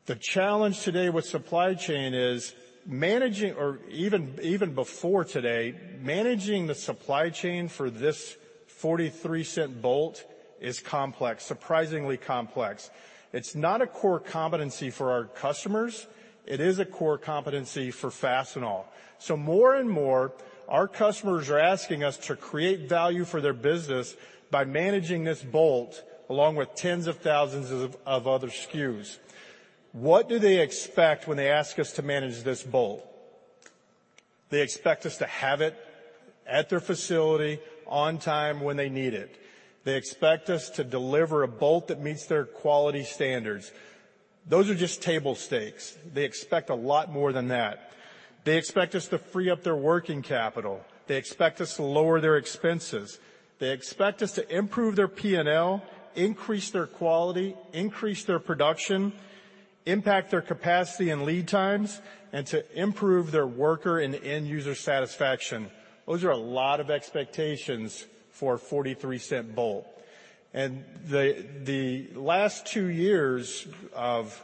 The challenge today with supply chain is managing or even before today, managing the supply chain for this $0.43 bolt is complex, surprisingly complex. It's not a core competency for our customers. It is a core competency for Fastenal. More and more, our customers are asking us to create value for their business by managing this bolt along with tens of thousands of other SKUs. What do they expect when they ask us to manage this bolt? They expect us to have it at their facility on time when they need it. They expect us to deliver a bolt that meets their quality standards. Those are just table stakes. They expect a lot more than that. They expect us to free up their working capital. They expect us to lower their expenses. They expect us to improve their P&L, increase their quality, increase their production, impact their capacity and lead times, and to improve their worker and end user satisfaction. Those are a lot of expectations for a $0.43 bolt. The last two years of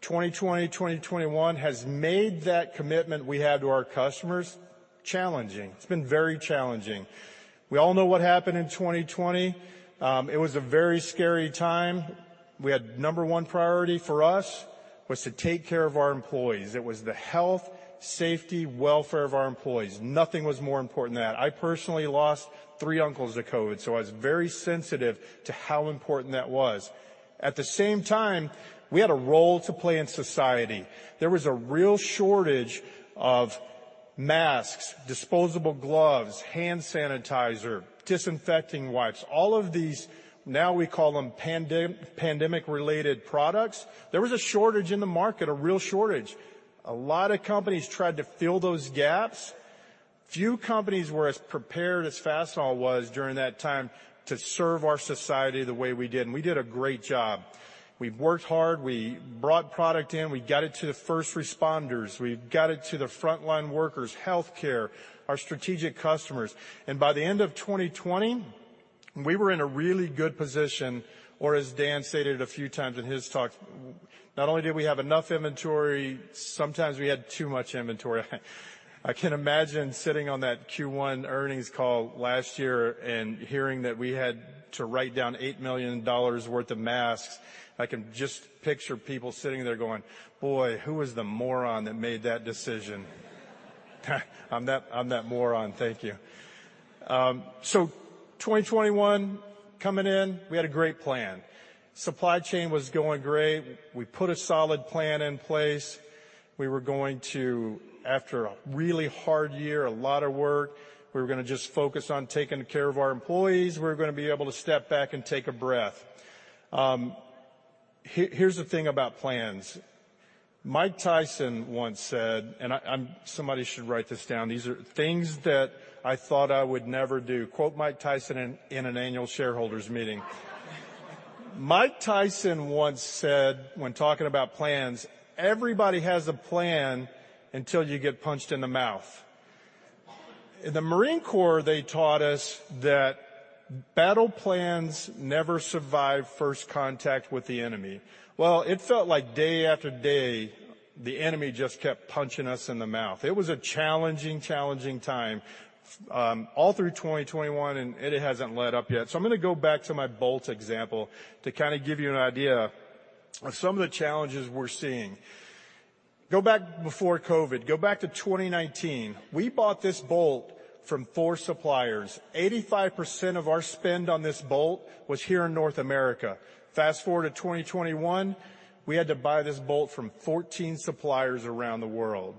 2020, 2021 has made that commitment we had to our customers challenging. It's been very challenging. We all know what happened in 2020. It was a very scary time. We had number one priority for us was to take care of our employees. It was the health, safety, welfare of our employees. Nothing was more important than that. I personally lost three uncles to COVID, so I was very sensitive to how important that was. At the same time, we had a role to play in society. There was a real shortage of masks, disposable gloves, hand sanitizer, disinfecting wipes, all of these, now we call them pandemic-related products. There was a shortage in the market, a real shortage. A lot of companies tried to fill those gaps. Few companies were as prepared as Fastenal was during that time to serve our society the way we did, and we did a great job. We worked hard. We brought product in. We got it to the first responders. We got it to the frontline workers, healthcare, our strategic customers. By the end of 2020, we were in a really good position. As Dan stated a few times in his talk, not only did we have enough inventory, sometimes we had too much inventory. I can imagine sitting on that Q1 earnings call last year and hearing that we had to write down $8 million worth of masks. I can just picture people sitting there going, "Boy, who was the moron that made that decision?" I'm that moron. Thank you. 2021 coming in, we had a great plan. Supply chain was going great. We put a solid plan in place. We were going to, after a really hard year, a lot of work, we were gonna just focus on taking care of our employees. We were gonna be able to step back and take a breath. Here's the thing about plans. Mike Tyson once said, somebody should write this down. These are things that I thought I would never do, quote Mike Tyson in an annual shareholders meeting. Mike Tyson once said when talking about plans, "Everybody has a plan until you get punched in the mouth." In the Marine Corps, they taught us that battle plans never survive first contact with the enemy. Well, it felt like day after day. The enemy just kept punching us in the mouth. It was a challenging time, all through 2021, and it hasn't let up yet. I'm gonna go back to my bolt example to kinda give you an idea of some of the challenges we're seeing. Go back before COVID. Go back to 2019. We bought this bolt from 4 suppliers. 85% of our spend on this bolt was here in North America. Fast-forward to 2021, we had to buy this bolt from 14 suppliers around the world.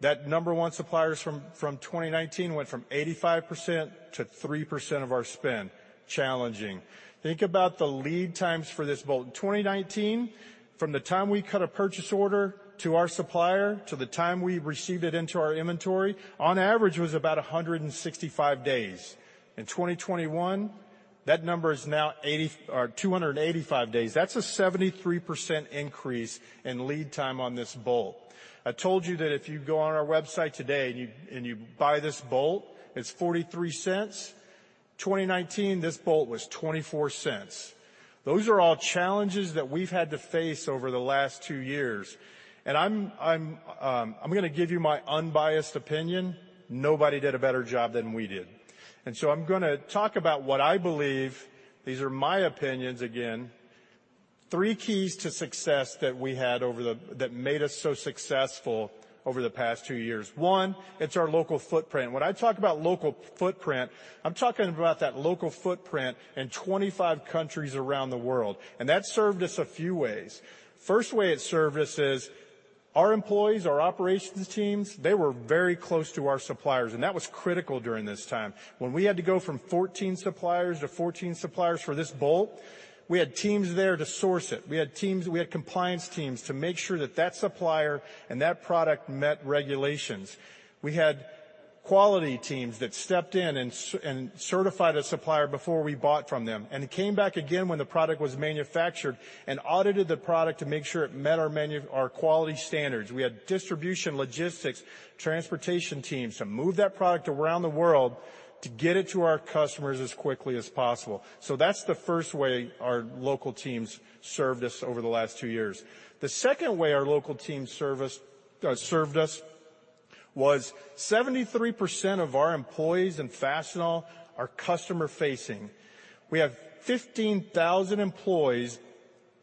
That number one supplier from 2019 went from 85% to 3% of our spend. Challenging. Think about the lead times for this bolt. In 2019, from the time we cut a purchase order to our supplier to the time we received it into our inventory, on average was about 165 days. In 2021, that number is now two hundred and eighty-five days. That's a 73% increase in lead time on this bolt. I told you that if you go on our website today and you buy this bolt, it's $0.43. 2019, this bolt was $0.24. Those are all challenges that we've had to face over the last 2 years. I'm gonna give you my unbiased opinion. Nobody did a better job than we did. I'm gonna talk about what I believe, these are my opinions again, three keys to success that we had that made us so successful over the past 2 years. One, it's our local footprint. When I talk about local footprint, I'm talking about that local footprint in 25 countries around the world, and that served us a few ways. First way it served us is our employees, our operations teams, they were very close to our suppliers, and that was critical during this time. When we had to go from 14 suppliers to 14 suppliers for this bolt, we had teams there to source it. We had teams, we had compliance teams to make sure that that supplier and that product met regulations. We had quality teams that stepped in and certified a supplier before we bought from them, and it came back again when the product was manufactured and audited the product to make sure it met our quality standards. We had distribution, logistics, transportation teams to move that product around the world to get it to our customers as quickly as possible. That's the first way our local teams served us over the last 2 years. The second way our local teams served us was 73% of our employees in Fastenal are customer-facing. We have 15,000 employees,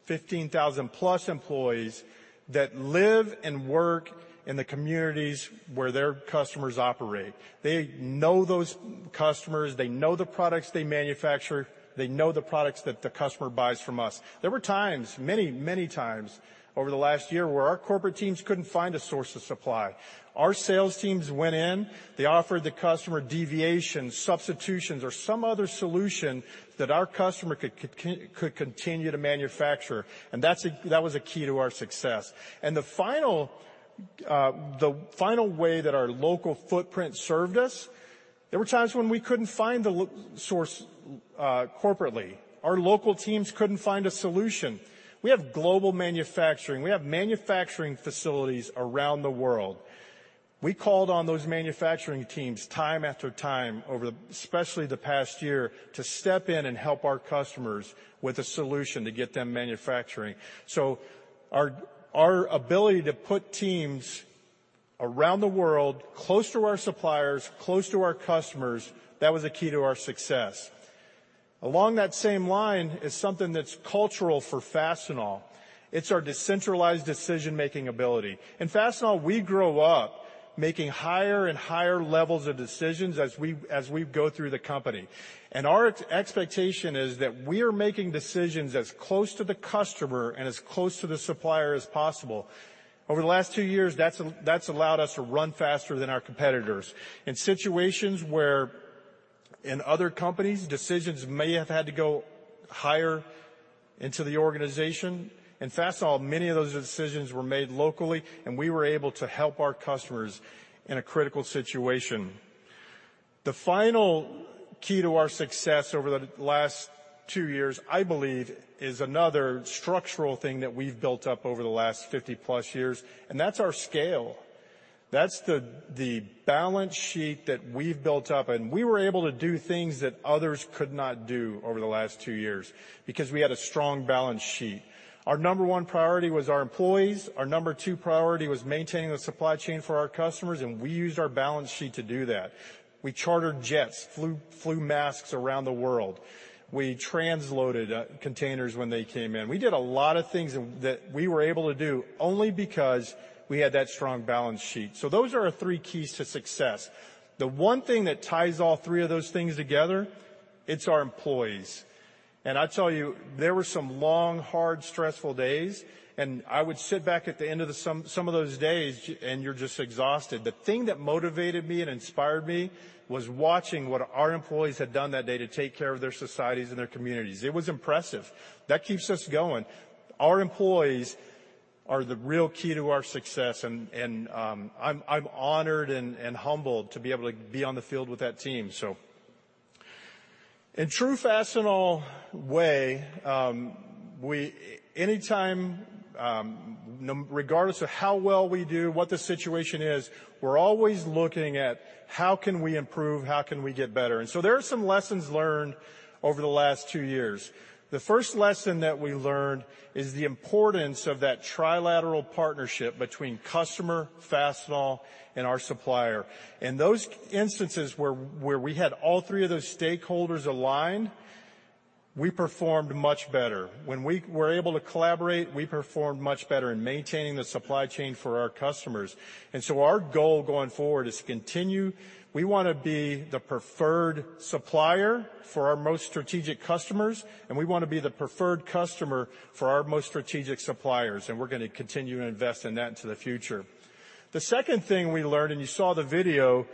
15,000+ employees that live and work in the communities where their customers operate. They know those customers. They know the products they manufacture. They know the products that the customer buys from us. There were times, many, many times over the last year where our corporate teams couldn't find a source of supply. Our sales teams went in. They offered the customer deviations, substitutions or some other solution that our customer could continue to manufacture, and that was a key to our success. The final way that our local footprint served us, there were times when we couldn't find the source corporately. Our local teams couldn't find a solution. We have global manufacturing. We have manufacturing facilities around the world. We called on those manufacturing teams time after time over the, especially the past year, to step in and help our customers with a solution to get them manufacturing. Our ability to put teams around the world close to our suppliers, close to our customers, that was a key to our success. Along that same line is something that's cultural for Fastenal. It's our decentralized decision-making ability. In Fastenal, we grow up making higher and higher levels of decisions as we go through the company. Our expectation is that we are making decisions as close to the customer and as close to the supplier as possible. Over the last two years, that's allowed us to run faster than our competitors. In situations where in other companies, decisions may have had to go higher into the organization, in Fastenal, many of those decisions were made locally, and we were able to help our customers in a critical situation. The final key to our success over the last 2 years, I believe, is another structural thing that we've built up over the last 50+ years, and that's our scale. That's the balance sheet that we've built up, and we were able to do things that others could not do over the last 2 years because we had a strong balance sheet. Our number 1 priority was our employees. Our number 2 priority was maintaining the supply chain for our customers, and we used our balance sheet to do that. We chartered jets, flew masks around the world. We transloaded containers when they came in. We did a lot of things that we were able to do only because we had that strong balance sheet. Those are our three keys to success. The one thing that ties all three of those things together, it's our employees. I tell you, there were some long, hard, stressful days, and I would sit back at the end of some of those days, and you're just exhausted. The thing that motivated me and inspired me was watching what our employees had done that day to take care of their societies and their communities. It was impressive. That keeps us going. Our employees are the real key to our success, and I'm honored and humbled to be able to be on the field with that team. In true Fastenal way, anytime, regardless of how well we do, what the situation is, we're always looking at how can we improve, how can we get better. There are some lessons learned over the last two years. The first lesson that we learned is the importance of that trilateral partnership between customer, Fastenal, and our supplier. In those instances where we had all three of those stakeholders aligned, we performed much better. When we were able to collaborate, we performed much better in maintaining the supply chain for our customers. Our goal going forward is to continue. We wanna be the preferred supplier for our most strategic customers, and we wanna be the preferred customer for our most strategic suppliers, and we're gonna continue to invest in that into the future. The second thing we learned, and you saw the video,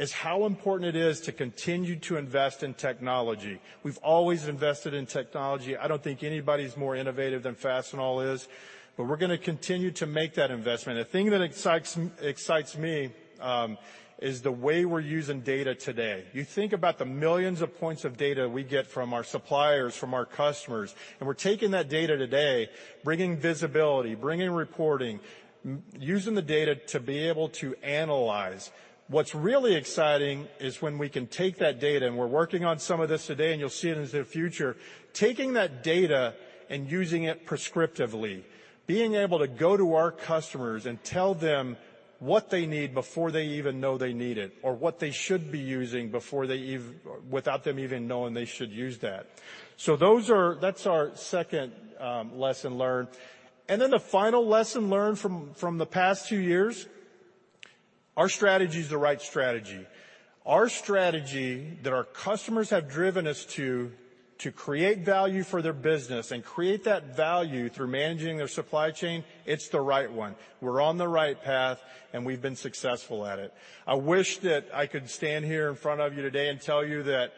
is how important it is to continue to invest in technology. We've always invested in technology. I don't think anybody's more innovative than Fastenal is, but we're gonna continue to make that investment. The thing that excites me is the way we're using data today. You think about the millions of points of data we get from our suppliers, from our customers, and we're taking that data today, bringing visibility, bringing reporting, using the data to be able to analyze. What's really exciting is when we can take that data, and we're working on some of this today, and you'll see it into the future, taking that data and using it prescriptively. Being able to go to our customers and tell them what they need before they even know they need it or what they should be using without them even knowing they should use that. That's our second lesson learned. The final lesson learned from the past two years, our strategy is the right strategy. Our strategy that our customers have driven us to create value for their business and create that value through managing their supply chain, it's the right one. We're on the right path, and we've been successful at it. I wish that I could stand here in front of you today and tell you that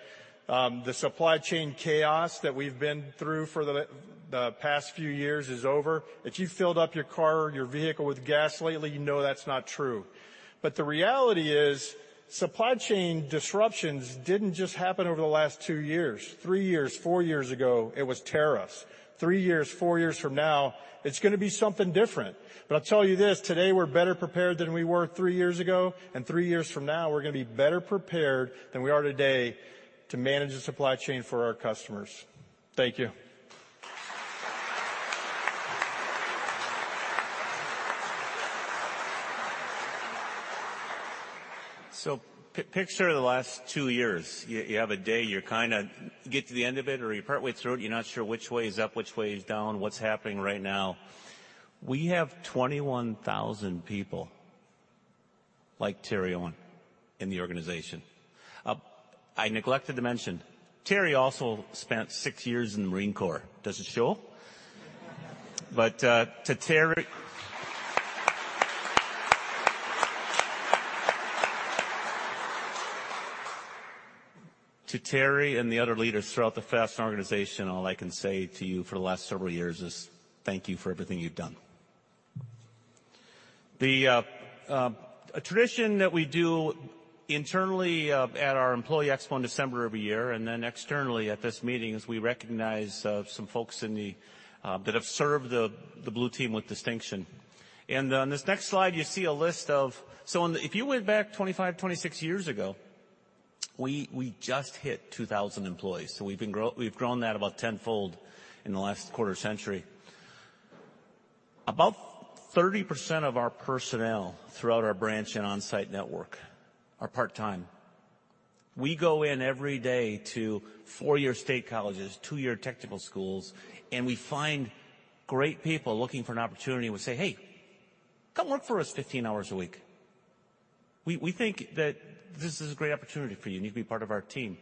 the supply chain chaos that we've been through for the past few years is over. If you filled up your car or your vehicle with gas lately, you know that's not true. The reality is supply chain disruptions didn't just happen over the last 2 years. 3 years, 4 years ago, it was tariffs. 3 years, 4 years from now, it's gonna be something different. I'll tell you this, today we're better prepared than we were 3 years ago, and 3 years from now, we're gonna be better prepared than we are today to manage the supply chain for our customers. Thank you. Picture the last 2 years. You have a day, you kinda get to the end of it or you're partway through it, you're not sure which way is up, which way is down, what's happening right now. We have 21,000 people like Terry Owen in the organization. I neglected to mention, Terry also spent 6 years in the Marine Corps. Does it show? To Terry and the other leaders throughout the Fastenal organization, all I can say to you for the last several years is thank you for everything you've done. A tradition that we do internally at our employee expo in December of a year, and then externally at this meeting, is we recognize some folks that have served the Blue Team with distinction. On this next slide, you see a list of. If you went back 25, 26 years ago, we just hit 2,000 employees. We've grown that about tenfold in the last quarter century. About 30% of our personnel throughout our branch and on-site network are part-time. We go in every day to four-year state colleges, two-year technical schools, and we find great people looking for an opportunity and we say, "Hey, come work for us 15 hours a week. We think that this is a great opportunity for you. You need to be part of our team."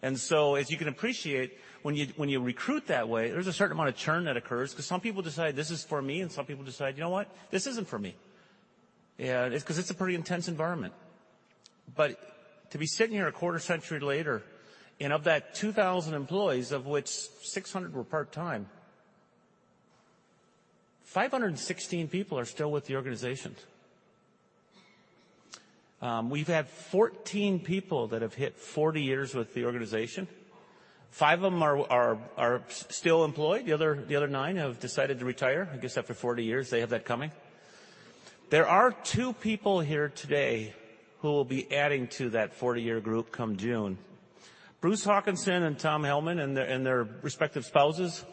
As you can appreciate, when you recruit that way, there's a certain amount of churn that occurs 'cause some people decide, "This is for me," and some people decide, "You know what? This isn't for me." It's 'cause it's a pretty intense environment. To be sitting here a quarter century later, of that 2,000 employees of which 600 were part-time, 516 people are still with the organization. We've had 14 people that have hit 40 years with the organization. Five of them are still employed. The other nine have decided to retire. I guess after 40 years, they have that coming. There are two people here today who will be adding to that 40-year group come June. Bruce Hawkinson and Thom Hellman and their respective spouses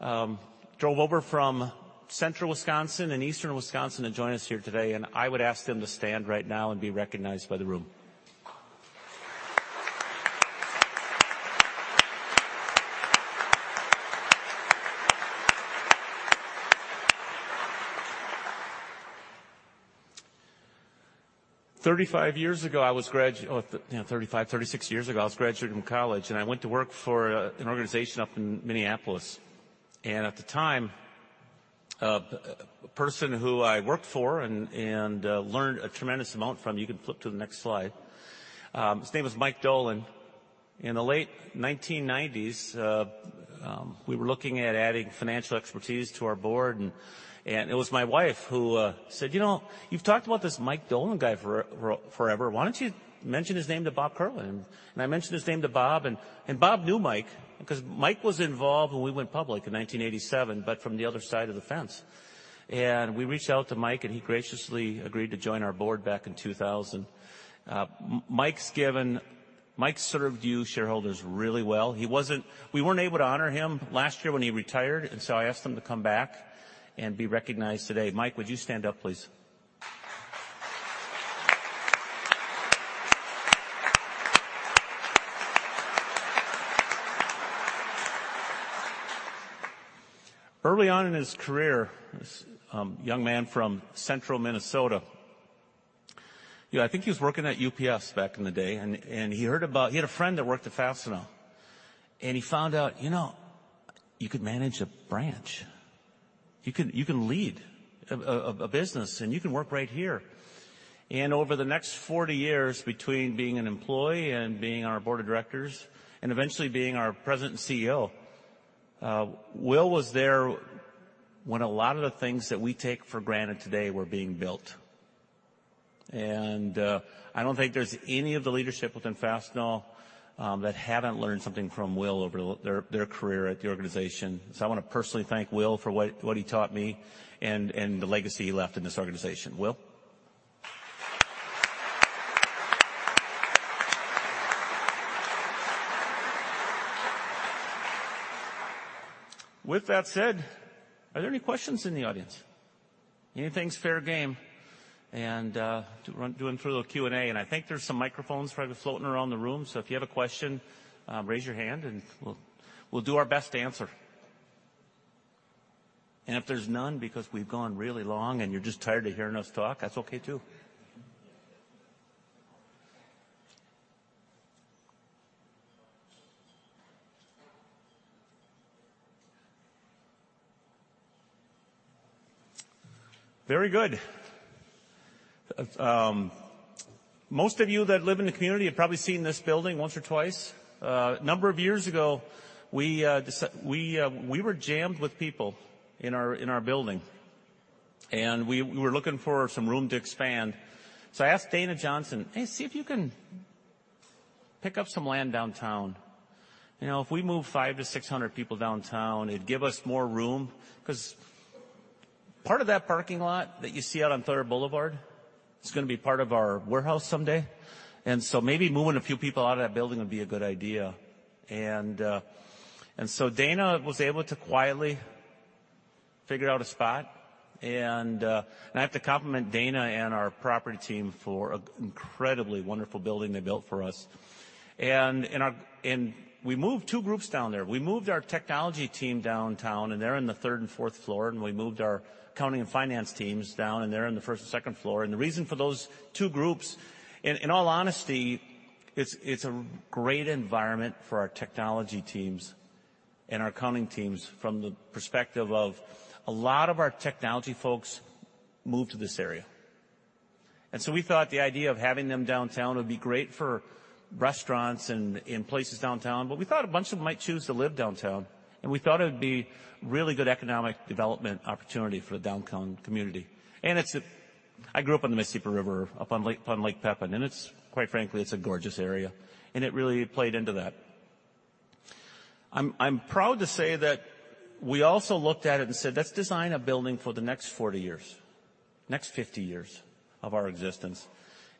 drove over from Central Wisconsin and Eastern Wisconsin to join us here today, and I would ask them to stand right now and be recognized by the room. Thirty-five, 36 years ago, I was graduating from college, and I went to work for an organization up in Minneapolis. At the time, a person who I worked for and learned a tremendous amount from. You can flip to the next slide. His name is Mike Dolan. In the late 1990s. We were looking at adding financial expertise to our board and it was my wife who said, "You know, you've talked about this Mike Dolan guy for forever. Why don't you mention his name to Bob Kierlin?" I mentioned his name to Bob and Bob knew Mike because Mike was involved when we went public in 1987, but from the other side of the fence. We reached out to Mike, and he graciously agreed to join our board back in 2000. Mike served you shareholders really well. We weren't able to honor him last year when he retired, and so I asked him to come back and be recognized today. Mike, would you stand up, please? Early on in his career, this young man from Central Minnesota, you know, I think he was working at UPS back in the day and he had a friend that worked at Fastenal, and he found out, you know, you could manage a branch. You can lead a business, and you can work right here. Over the next 40 years, between being an employee and being on our board of directors and eventually being our President and CEO, Will was there when a lot of the things that we take for granted today were being built. I don't think there's any of the leadership within Fastenal that haven't learned something from Will over their career at the organization. I wanna personally thank Will for what he taught me and the legacy he left in this organization. Will. With that said, are there any questions in the audience? Anything's fair game. We're doing a little Q&A, and I think there's some microphones probably floating around the room, so if you have a question, raise your hand, and we'll do our best to answer. If there's none because we've gone really long and you're just tired of hearing us talk, that's okay, too. Very good. Most of you that live in the community have probably seen this building once or twice. A number of years ago, we were jammed with people in our building. We were looking for some room to expand. I asked Dana Johnson, "Hey, see if you can pick up some land downtown. You know, if we move 500-600 people downtown, it'd give us more room 'cause part of that parking lot that you see out on Third Boulevard is gonna be part of our warehouse someday. And so maybe moving a few people out of that building would be a good idea." Dana was able to quietly figure out a spot. I have to compliment Dana and our property team for an incredibly wonderful building they built for us. We moved two groups down there. We moved our technology team downtown, and they're on the third and fourth floor. We moved our accounting and finance teams down, and they're on the first and second floor. The reason for those two groups, in all honesty, it's a great environment for our technology teams and our accounting teams from the perspective of a lot of our technology folks moved to this area. We thought the idea of having them downtown would be great for restaurants and places downtown. We thought a bunch of them might choose to live downtown, and we thought it would be really good economic development opportunity for the downtown community. It's. I grew up on the Mississippi River, up on Lake Pepin, and quite frankly, it's a gorgeous area. It really played into that. I'm proud to say that we also looked at it and said, "Let's design a building for the next 40 years, next 50 years of our existence."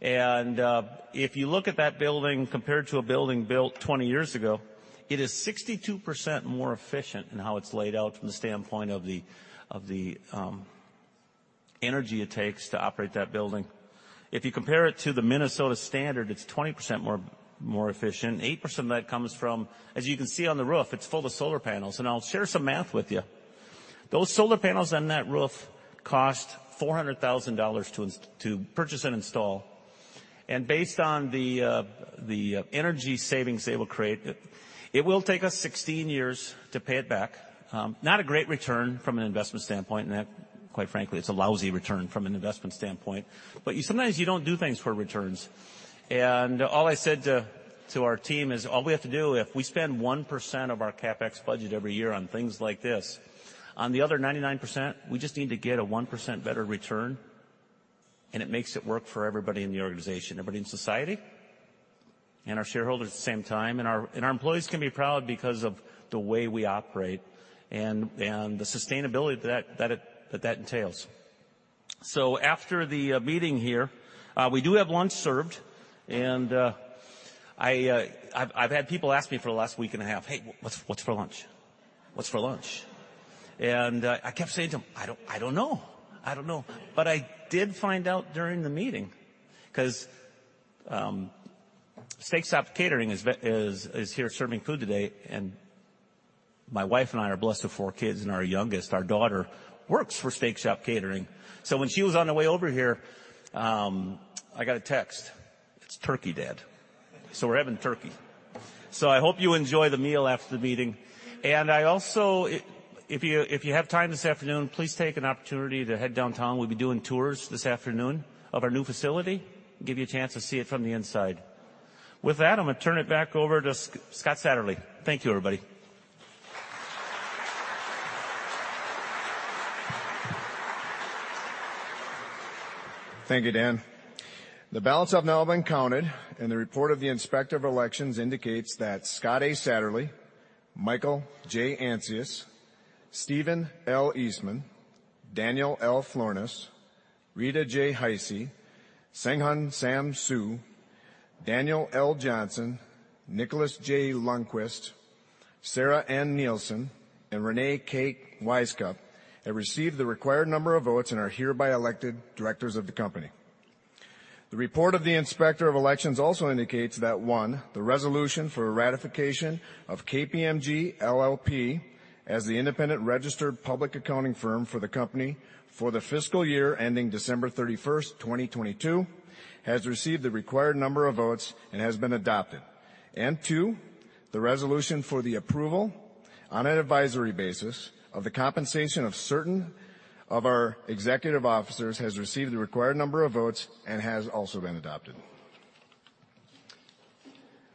If you look at that building compared to a building built 20 years ago, it is 62% more efficient in how it's laid out from the standpoint of the energy it takes to operate that building. If you compare it to the Minnesota standard, it's 20% more efficient. 8% of that comes from, as you can see on the roof, it's full of solar panels. I'll share some math with you. Those solar panels on that roof cost $400,000 to purchase and install. Based on the energy savings they will create, it will take us 16 years to pay it back. Not a great return from an investment standpoint. That, quite frankly, it's a lousy return from an investment standpoint. You sometimes don't do things for returns. All I said to our team is all we have to do, if we spend 1% of our CapEx budget every year on things like this, on the other 99%, we just need to get a 1% better return, and it makes it work for everybody in the organization, everybody in society, and our shareholders at the same time. Our employees can be proud because of the way we operate and the sustainability that it entails. After the meeting here, we do have lunch served. I've had people ask me for the last week and a half, "Hey, what's for lunch? What's for lunch?" I kept saying to them, "I don't know. I don't know." I did find out during the meeting 'cause Steak Shop Catering is here serving food today. My wife and I are blessed with four kids, and our youngest, our daughter, works for Steak Shop Catering. When she was on the way over here, I got a text, "It's turkey, Dad." We're having turkey. I hope you enjoy the meal after the meeting. I also, if you have time this afternoon, please take an opportunity to head downtown. We'll be doing tours this afternoon of our new facility, give you a chance to see it from the inside. With that, I'm gonna turn it back over to Scott A. Satterlee. Thank you, everybody. Thank you, Dan. The ballots have now been counted, and the report of the Inspector of Elections indicates that Scott A. Satterlee, Michael J. Ancius, Stephen L. Eastman, Daniel L. Florness, Rita J. Heise, Hsenghung Sam Hsu, Daniel L. Johnson, Nicholas J. Lundquist, Sarah N. Nielsen, and Reyne K. Wisecup have received the required number of votes and are hereby elected directors of the company. The report of the Inspector of Elections also indicates that, one, the resolution for ratification of KPMG LLP as the independent registered public accounting firm for the company for the fiscal year ending 31 December 2022, has received the required number of votes and has been adopted. Two, the resolution for the approval on an advisory basis of the compensation of certain of our executive officers has received the required number of votes and has also been adopted.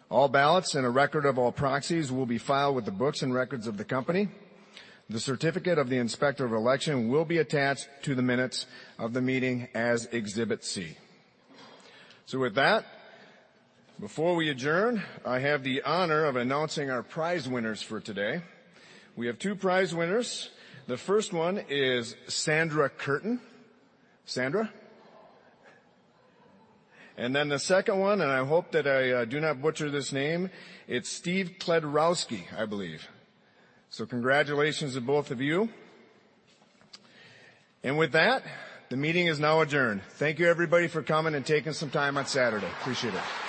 All ballots and a record of all proxies will be filed with the books and records of the company. The certificate of the Inspector of Election will be attached to the minutes of the meeting as Exhibit C. With that, before we adjourn, I have the honor of announcing our prize winners for today. We have two prize winners. The first one is Sandra [Curtain]. Sandra? The second one, and I hope that I do not butcher this name, it's Steve [Cledrowski], I believe. Congratulations to both of you. With that, the meeting is now adjourned. Thank you everybody for coming and taking some time on Saturday. Appreciate it.